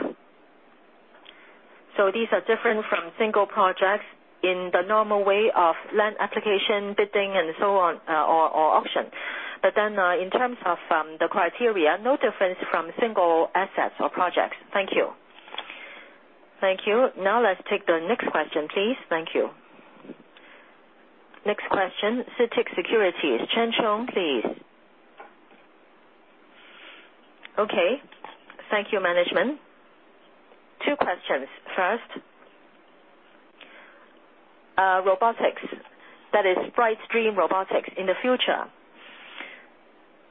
These are different from single projects in the normal way of land application, bidding, and so on, or auction. In terms of the criteria, no difference from single assets or projects. Thank you. Thank you. Let's take the next question, please. Thank you. Next question, CITIC Securities, Chen Zheng, please. Thank you, management. two questions. First, robotics. That is Bright Dream Robotics. In the future,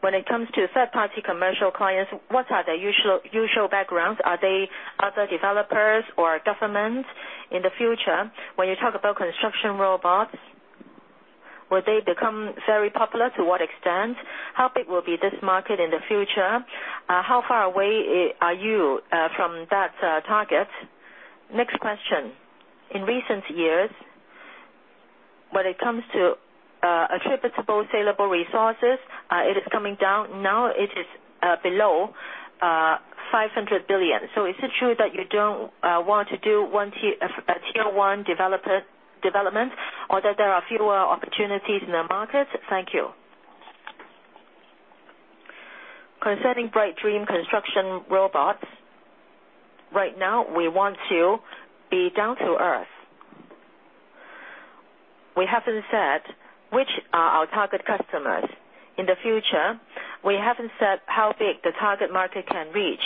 when it comes to third-party commercial clients, what are their usual backgrounds? Are they other developers or governments? In the future, when you talk about construction robots, will they become very popular? To what extent? How big will be this market in the future? How far away are you from that target? Next question. In recent years, when it comes to attributable saleable resources, it is coming down. Now it is below 500 billion. Is it true that you don't want to do Tier 1 development, or that there are fewer opportunities in the market? Thank you. Concerning Bright Dream Robotics construction robots, right now we want to be down to earth. We haven't said which are our target customers. In the future, we haven't said how big the target market can reach.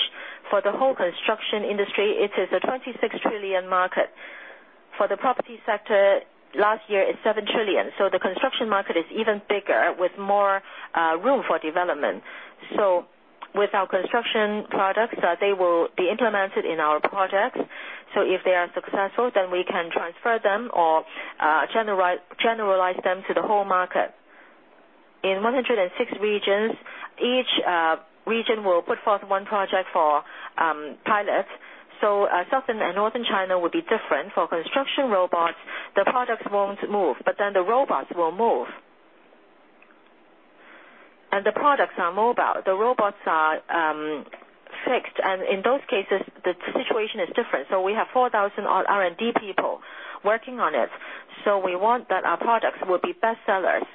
For the whole construction industry, it is a 26 trillion market. For the property sector, last year, it's 7 trillion. The construction market is even bigger with more room for development. With our construction products, they will be implemented in our projects, so if they are successful, then we can transfer them or generalize them to the whole market. In 106 regions, each region will put forth one project for pilot. Southern and Northern China will be different. For construction robots, the products won't move, but then the robots will move. The products are mobile. The robots are fixed, and in those cases, the situation is different. We have 4,000 R&D people working on it. We want that our products will be bestsellers.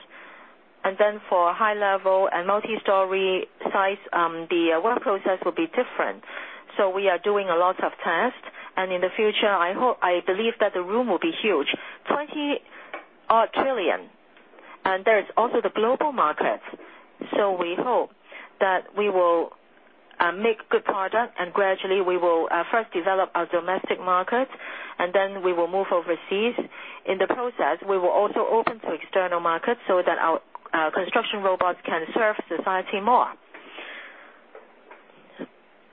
For high level and multistory sites, the work process will be different. We are doing a lot of tests, and in the future, I believe that the room will be huge, 20 trillion. There is also the global market. We hope that we will make good product, and gradually we will first develop our domestic market, and then we will move overseas. In the process, we will also open to external markets so that our construction robots can serve society more.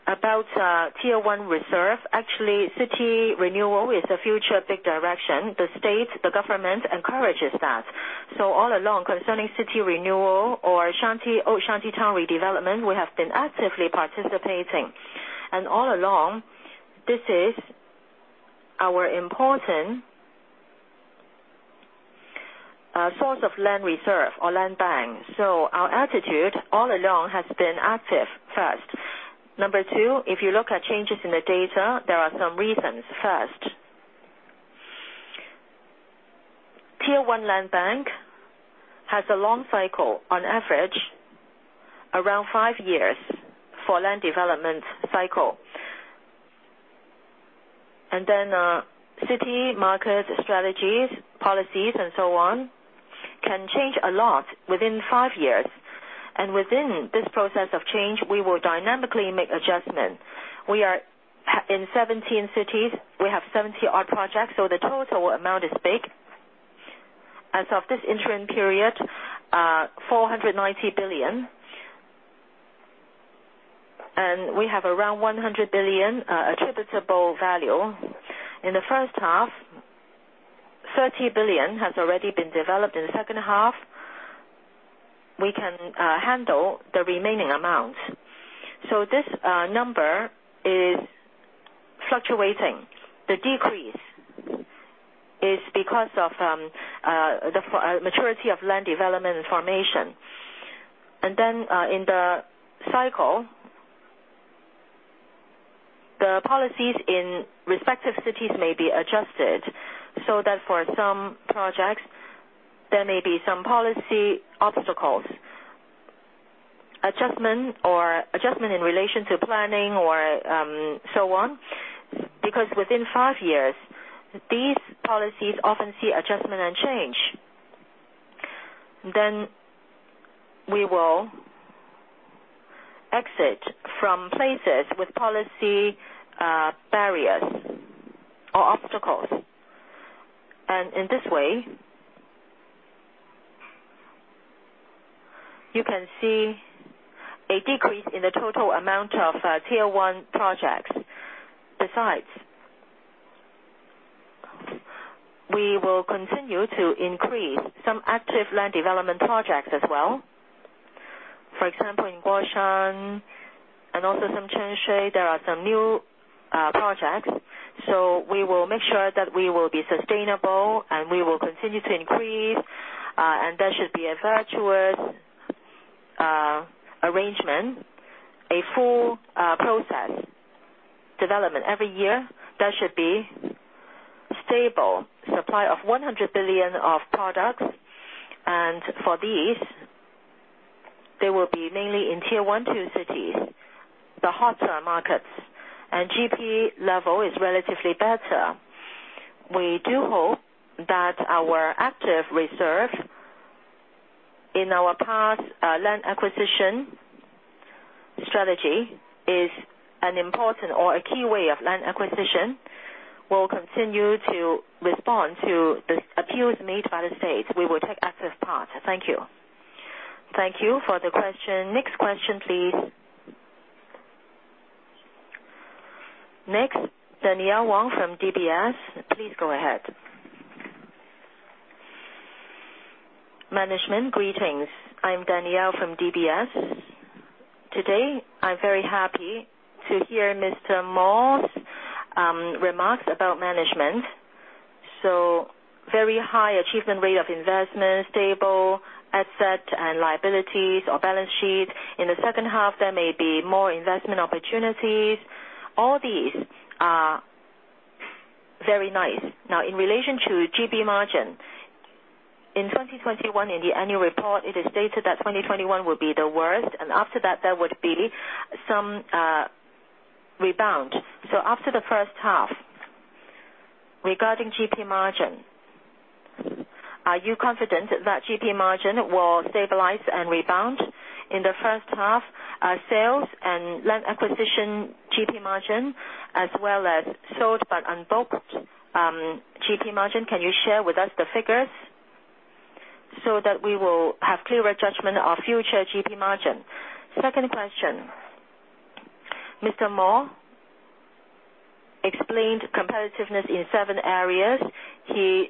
About Tier 1 reserve, actually, city renewal is a future big direction. The state, the government, encourages that. All along, concerning city renewal or old shanty town redevelopment, we have been actively participating. All along, this is our important source of land reserve or land bank. Our attitude all along has been active first. Number two, if you look at changes in the data, there are some reasons. First, Tier 1 land bank has a long cycle, on average, around five years for land development cycle. City market strategies, policies, and so on, can change a lot within five years. Within this process of change, we will dynamically make adjustments. We are in 17 cities. We have 70 odd projects, so the total amount is big. As of this interim period, 490 billion, and we have around 100 billion attributable value. In the first half, 30 billion has already been developed. In the second half, we can handle the remaining amount. This number is fluctuating. The decrease because of the maturity of land development and formation. In the cycle, the policies in respective cities may be adjusted, so that for some projects, there may be some policy obstacles, adjustment in relation to planning or so on. Within five years, these policies often see adjustment and change. We will exit from places with policy barriers or obstacles. In this way, you can see a decrease in the total amount of Tier 1 projects. Besides, we will continue to increase some active land development projects as well. For example, in Guoshang and also some [Chengshe], there `are some new projects. We will make sure that we will be sustainable, and we will continue to increase, and there should be a virtuous arrangement, a full process development. Every year, there should be stable supply of 100 billion of products. For these, they will be mainly in Tier 1, 2 cities, the hotter markets, and GP level is relatively better. We do hope that our active reserve in our past land acquisition strategy is an important or a key way of land acquisition, will continue to respond to the appeals made by the state. We will take active part. Thank you. Thank you for the question. Next question, please. Next, Danielle Wang from DBS. Please go ahead. Management, greetings. I'm Danielle from DBS. Today, I'm very happy to hear Mr. Mo's remarks about management. Very high achievement rate of investment, stable asset and liabilities or balance sheet. In the second half, there may be more investment opportunities. All these are very nice. In relation to GP margin, in 2021, in the annual report, it is stated that 2021 will be the worst, and after that there would be some rebound. After the first half, regarding GP margin, are you confident that GP margin will stabilize and rebound? In the first half, sales and land acquisition GP margin, as well as sold but unbooked GP margin, can you share with us the figures so that we will have clearer judgment of future GP margin? Second question, Mr. Mo explained competitiveness in seven areas. He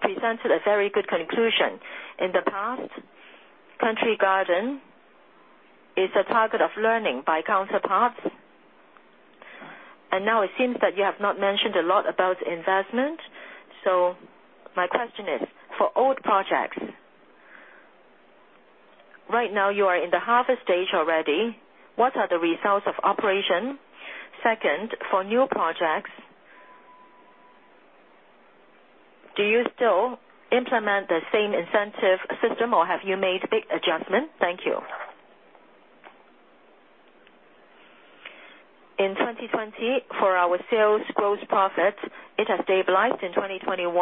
presented a very good conclusion. In the past, Country Garden is a target of learning by counterparts. Now it seems that you have not mentioned a lot about investment. My question is, for old projects, right now you are in the harvest stage already. What are the results of operation? Second, for new projects, do you still implement the same incentive system, or have you made big adjustments? Thank you. In 2020, for our sales gross profit, it has stabilized. In 2021,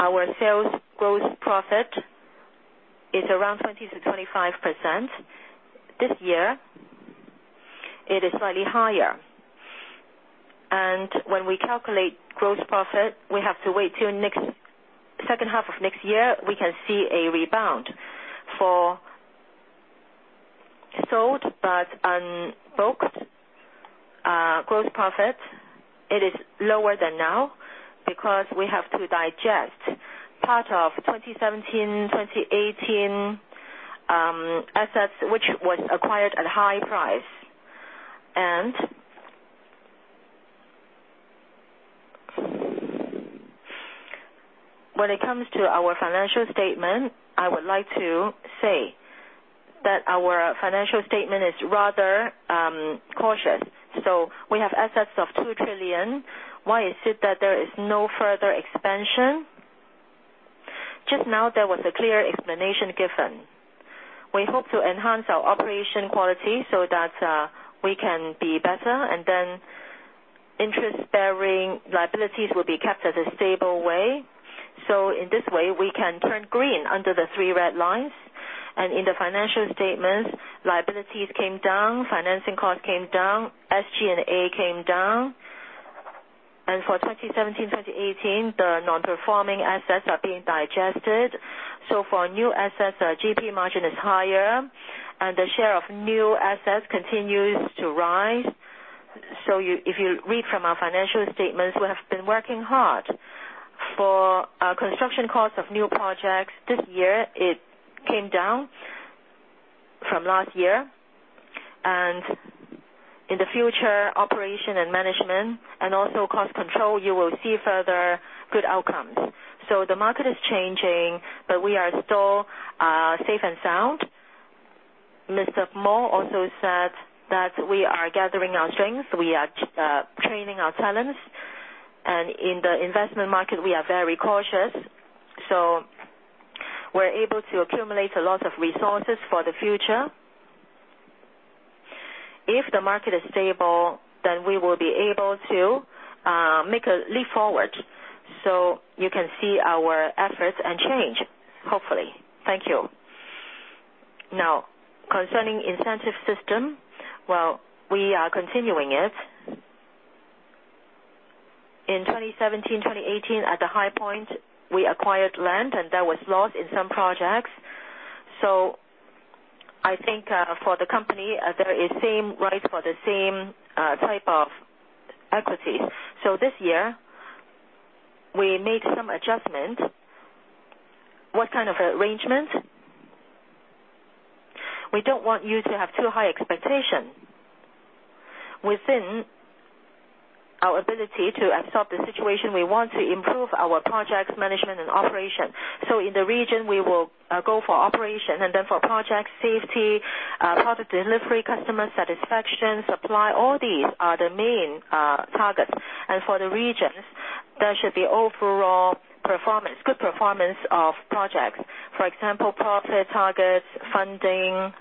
our sales gross profit is around 20%-25%. This year, it is slightly higher. When we calculate gross profit, we have to wait till second half of next year, we can see a rebound. For sold but unbooked gross profit, it is lower than now because we have to digest part of 2017, 2018 assets which was acquired at high price. When it comes to our financial statement, I would like to say that our financial statement is rather cautious. We have assets of 2 trillion. Why is it that there is no further expansion? Just now there was a clear explanation given. We hope to enhance our operation quality so that we can be better, and then interest-bearing liabilities will be kept at a stable way. In this way, we can turn green under the three red lines. In the financial statements, liabilities came down, financing cost came down, SG&A came down. For 2017, 2018, the non-performing assets are being digested. For new assets, our GP margin is higher, and the share of new assets continues to rise. If you read from our financial statements, we have been working hard. For construction costs of new projects, this year it came down from last year. In the future, operation and management and also cost control, you will see further good outcomes. The market is changing, but we are still safe and sound. Mr. Mo also said that we are gathering our strengths, we are training our talents, and in the investment market, we are very cautious. We're able to accumulate a lot of resources for the future. If the market is stable, then we will be able to make a leap forward. You can see our efforts and change, hopefully. Thank you. Now, concerning incentive system, well, we are continuing it. In 2017, 2018, at the high point, we acquired land and there was loss in some projects. I think for the company, there is same rights for the same type of equities. This year, we made some adjustments. What kind of arrangement? We don't want you to have too high expectations. Within our ability to absorb the situation, we want to improve our projects management and operation. In the region, we will go for operation, for project safety, product delivery, customer satisfaction, supply, all these are the main targets. For the regions, there should be overall good performance of projects. For example, profit targets, funding,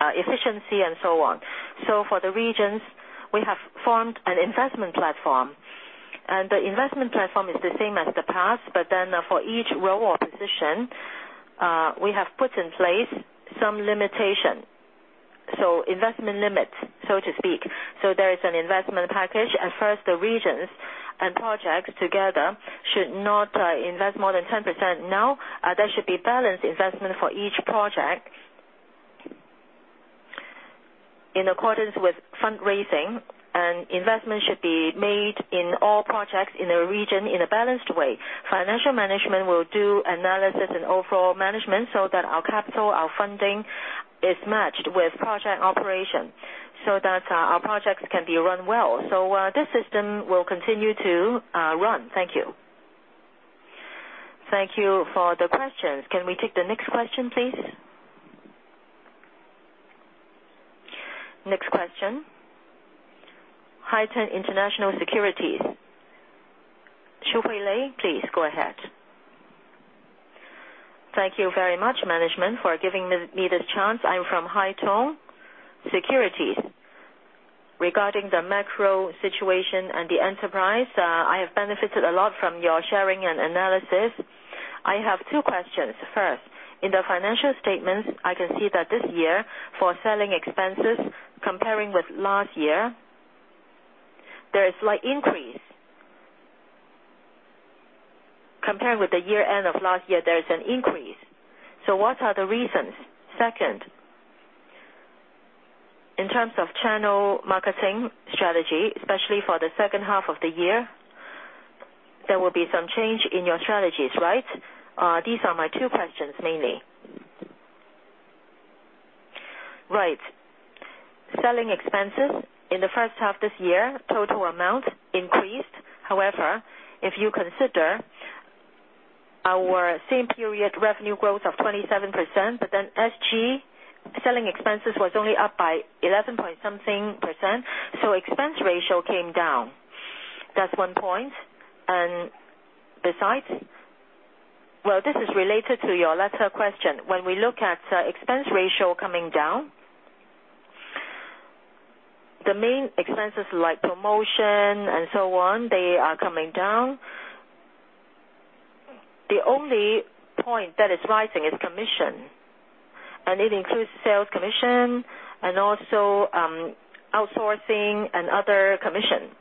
efficiency, and so on. For the regions, we have formed an investment platform. The investment platform is the same as the past, for each role or position, we have put in place some limitations. Investment limits, so to speak. There is an investment package. At first, the regions and projects together should not invest more than 10%. There should be balanced investment for each project in accordance with fundraising, investment should be made in all projects in a region in a balanced way. Financial management will do analysis and overall management that our capital, our funding is matched with project operation, that our projects can be run well. This system will continue to run. Thank you. Thank you for the questions. Can we take the next question, please? Next question. Haitong International Securities. Xu Huili, please go ahead. Thank you very much, management, for giving me this chance. I'm from Haitong Securities. Regarding the macro situation and the enterprise, I have benefited a lot from your sharing and analysis. I have two questions. First, in the financial statements, I can see that this year, for selling expenses, comparing with last year, there is slight increase. Comparing with the year-end of last year, there is an increase. What are the reasons? In terms of channel marketing strategy, especially for the second half of the year, there will be some change in your strategies, right? These are my two questions mainly. Right. Selling expenses in the first half this year, total amount increased. If you consider our same period revenue growth of 27%, but then SG, selling expenses was only up by 11-point-something%, so expense ratio came down. That's one point. Besides, well, this is related to your latter question. When we look at expense ratio coming down, the main expenses like promotion and so on, they are coming down. The only point that is rising is commission, and it includes sales commission and also outsourcing and other commission.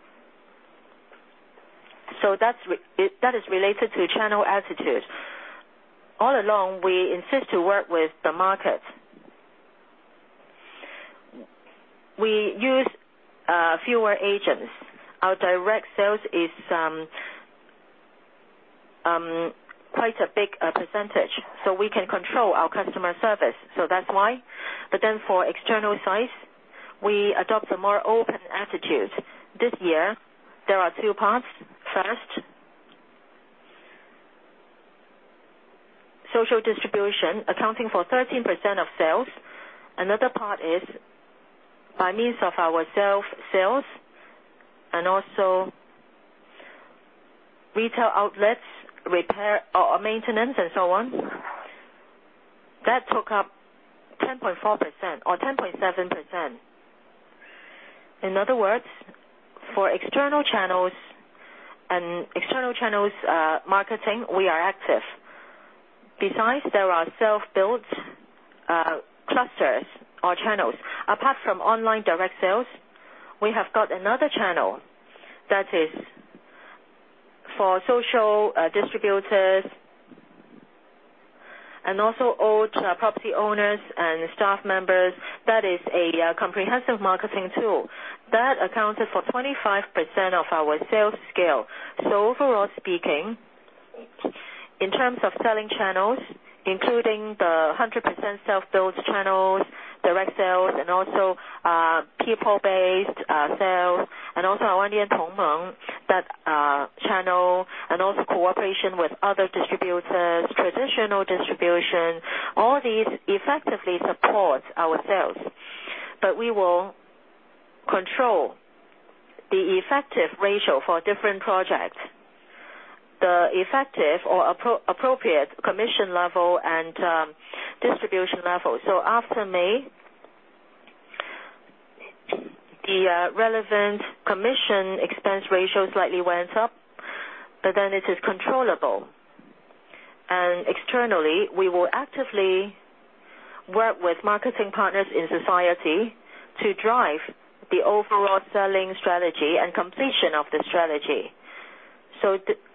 That is related to channel attitude. All along, we insist to work with the market. We use fewer agents. Our direct sales is quite a big percentage. We can control our customer service, that's why. For external sites, we adopt a more open attitude. This year, there are two parts. First, social distribution, accounting for 13% of sales. Another part is by means of our self-sales and also retail outlets, repair or maintenance and so on. That took up 10.4% or 10.7%. In other words, for external channels and external channels marketing, we are active. Besides, there are self-built clusters or channels. Apart from online direct sales, we have got another channel that is for social distributors and also all property owners and staff members. That is a comprehensive marketing tool. That accounted for 25% of our sales scale. Overall speaking. In terms of selling channels, including the 100% self-built channels, direct sales, and also people-based sales, and also our Anlian Tongmeng, that channel, and also cooperation with other distributors, traditional distribution, all these effectively support our sales. We will control the effective ratio for different projects, the effective or appropriate commission level, and distribution level. After May, the relevant commission expense ratio slightly went up, but it is controllable. Externally, we will actively work with marketing partners in society to drive the overall selling strategy and completion of the strategy.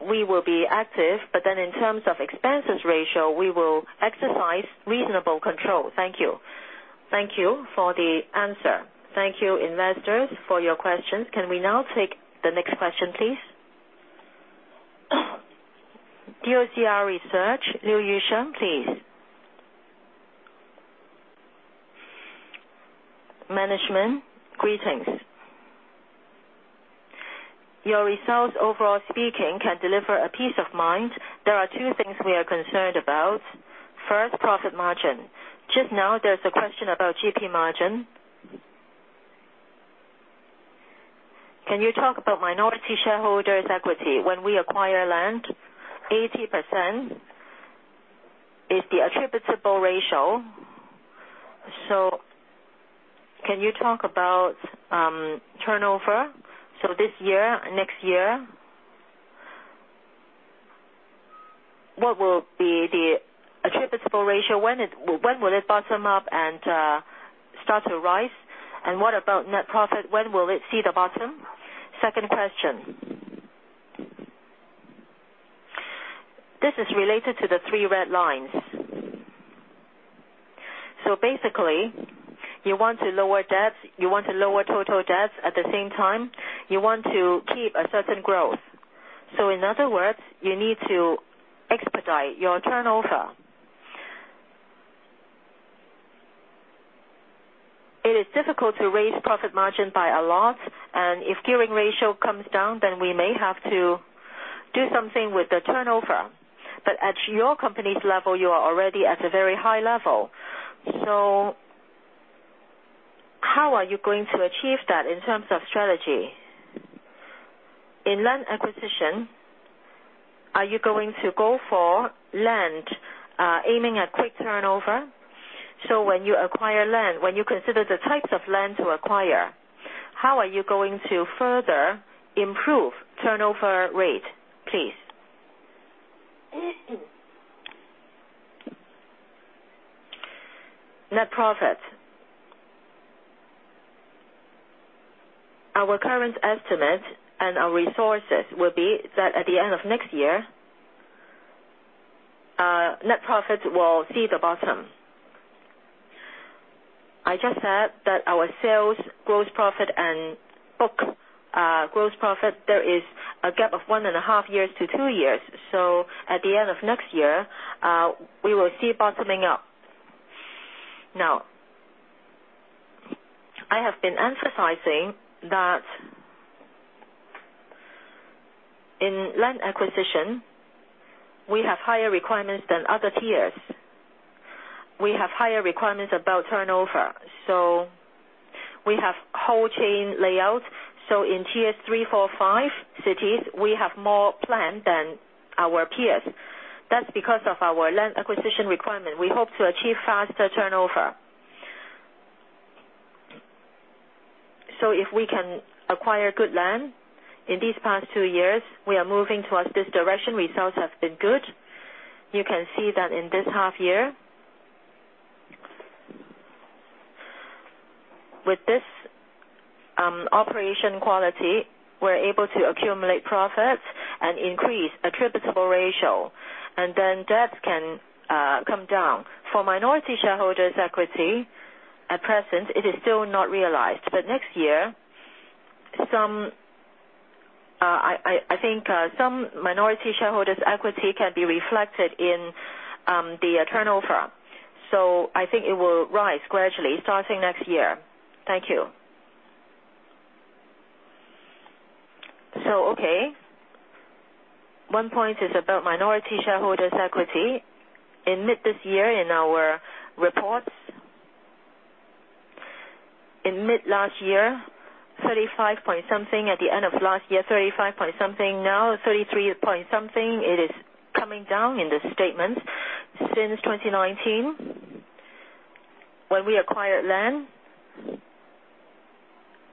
We will be active, but in terms of expenses ratio, we will exercise reasonable control. Thank you. Thank you for the answer. Thank you, investors, for your questions. Can we now take the next question, please? BOCI Research, Liu Yusheng, please. Management, greetings. Your results, overall speaking, can deliver a peace of mind. There are two things we are concerned about. First, profit margin. Just now, there's a question about GP margin. Can you talk about minority shareholders' equity? When we acquire land, 80% is the attributable ratio. Can you talk about turnover? This year, next year, what will be the attributable ratio? When will it bottom up and start to rise? What about net profit? When will it see the bottom? Second question. This is related to the three red lines. Basically, you want to lower total debt, at the same time, you want to keep a certain growth. In other words, you need to expedite your turnover. It is difficult to raise profit margin by a lot, and if gearing ratio comes down, then we may have to do something with the turnover. At your company's level, you are already at a very high level. How are you going to achieve that in terms of strategy? In land acquisition, are you going to go for land, aiming at quick turnover? When you acquire land, when you consider the types of land to acquire, how are you going to further improve turnover rate, please? Net profit. Our current estimate and our resources will be that at the end of next year, net profit will see the bottom. I just said that our sales, gross profit, and book gross profit, there is a gap of 1.5 Years to 2 years. At the end of next year, we will see bottoming up. I have been emphasizing that in land acquisition, we have higher requirements than other tiers. We have higher requirements about turnover. We have whole chain layouts. In Tier 3, 4, 5 cities, we have more plan than our peers. That's because of our land acquisition requirement. We hope to achieve faster turnover. If we can acquire good land, in these past two years, we are moving towards this direction. Results have been good. You can see that in this half year. With this operation quality, we're able to accumulate profits and increase attributable ratio, debt can come down. For minority shareholders' equity, at present, it is still not realized. Next year, I think some minority shareholders' equity can be reflected in the turnover. I think it will rise gradually starting next year. Thank you. Okay. One point is about minority shareholders' equity. In mid this year, in our reports, in mid last year, 35 point something, at the end of last year, 35 point something, now 33 point something. It is coming down in the statement. Since 2019, when we acquired land,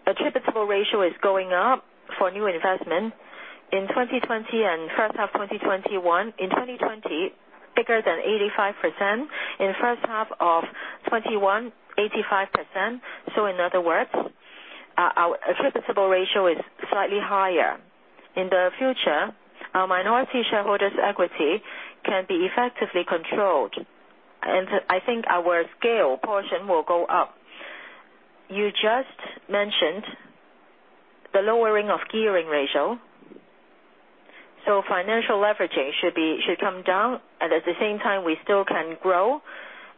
attributable ratio is going up for new investment. In 2020 and first half 2021, in 2020, bigger than 85%. In first half of 2021, 85%. In other words, our attributable ratio is slightly higher. In the future, our minority shareholders' equity can be effectively controlled, and I think our scale portion will go up. You just mentioned the lowering of gearing ratio. Financial leveraging should come down, and at the same time, we still can grow.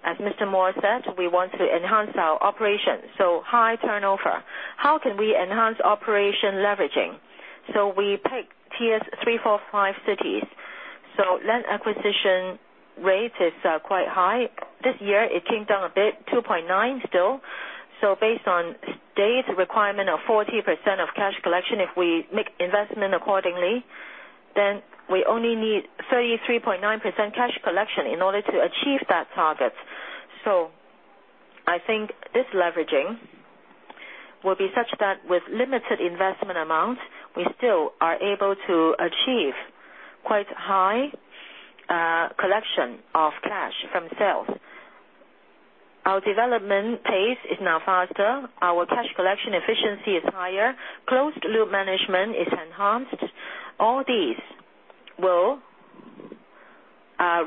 As Mr. Mo said, we want to enhance our operations, so high turnover. How can we enhance operation leveraging? We pick Tiers 3, 4, 5 cities. Land acquisition rate is quite high. This year, it came down a bit, 2.9 still. Based on state's requirement of 40% of cash collection, if we make investment accordingly, then we only need 33.9% cash collection in order to achieve that target. I think this leveraging will be such that with limited investment amount, we still are able to achieve quite high collection of cash from sales. Our development pace is now faster. Our cash collection efficiency is higher. Closed loop management is enhanced. All these will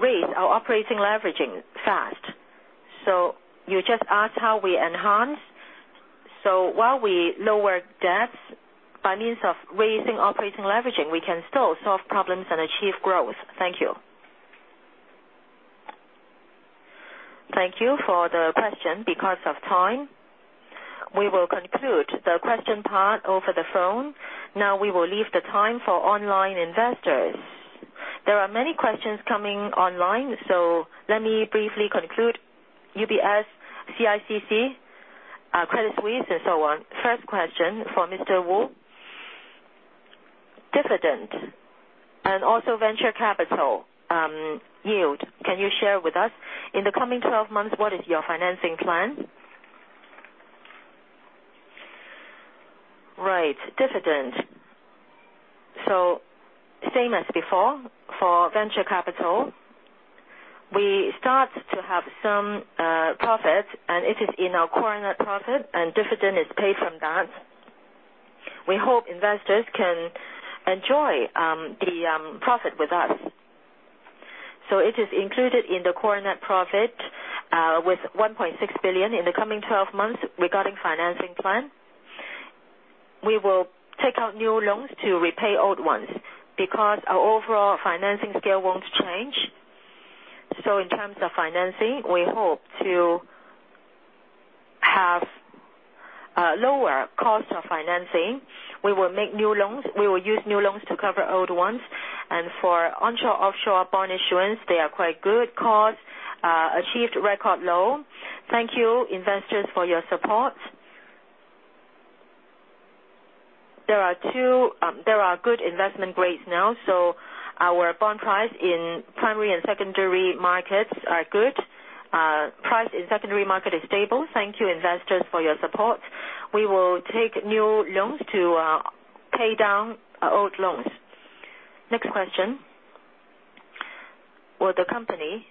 raise our operating leveraging fast. You just asked how we enhance. While we lower debts, by means of raising operating leveraging, we can still solve problems and achieve growth. Thank you. Thank you for the question. Because of time, we will conclude the question part over the phone. Now we will leave the time for online investors. There are many questions coming online, so let me briefly conclude UBS, CICC, Credit Suisse, and so on. First question for Mr. Wu. Dividend and also venture capital yield. Can you share with us? In the coming 12 months, what is your financing plan? Right. Dividend. Same as before, for venture capital, we start to have some profit, and it is in our core net profit, and dividend is paid from that. We hope investors can enjoy the profit with us. It is included in the core net profit, with 1.6 billion in the coming 12 months regarding financing plan. We will take out new loans to repay old ones because our overall financing scale won't change. In terms of financing, we hope to have a lower cost of financing. We will make new loans. We will use new loans to cover old ones. For onshore, offshore bond issuance, they are quite good. Cost achieved record low. Thank you, investors, for your support. There are good investment grades now, so our bond price in primary and secondary markets are good. Price in secondary market is stable. Thank you, investors, for your support. We will take new loans to pay down old loans. Next question. Will the company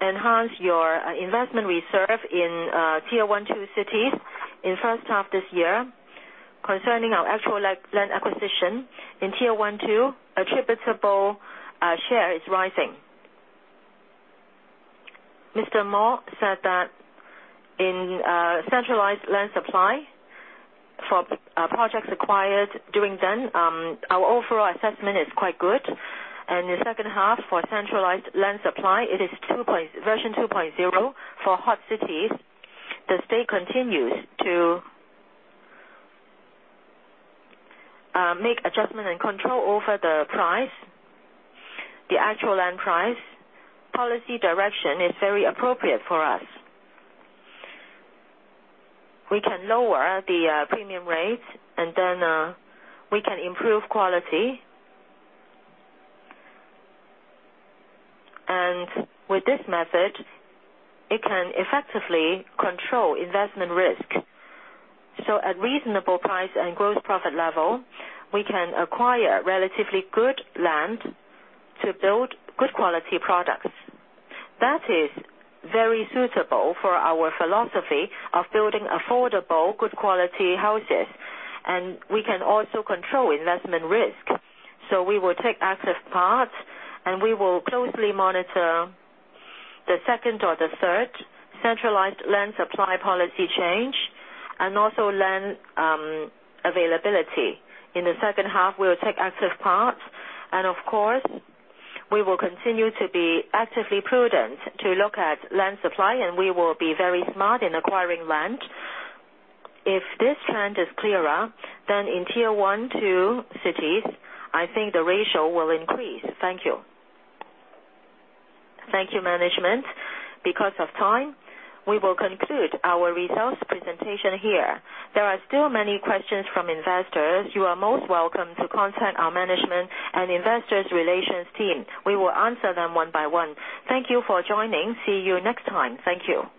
enhance your investment reserve in Tier 1, 2 cities in first half this year? Concerning our actual land acquisition in Tier 1, 2, attributable share is rising. Mr. Mo said that in centralized land supply for projects acquired during then, our overall assessment is quite good. In the second half for centralized land supply, it is version 2.0 for hot cities. The state continues to make adjustment and control over the price, the actual land price. Policy direction is very appropriate for us. We can lower the premium rate, then we can improve quality. With this method, it can effectively control investment risk. At reasonable price and gross profit level, we can acquire relatively good land to build good quality products. That is very suitable for our philosophy of building affordable, good quality houses, and we can also control investment risk. We will take active part, and we will closely monitor the second or the third centralized land supply policy change and also land availability. In the second half, we will take active part, and of course, we will continue to be actively prudent to look at land supply, and we will be very smart in acquiring land. If this trend is clearer, then in Tier 1, 2 cities, I think the ratio will increase. Thank you. Thank you, management. Because of time, we will conclude our results presentation here. There are still many questions from investors. You are most welcome to contact our management and investor relations team. We will answer them one by one. Thank you for joining. See you next time. Thank you.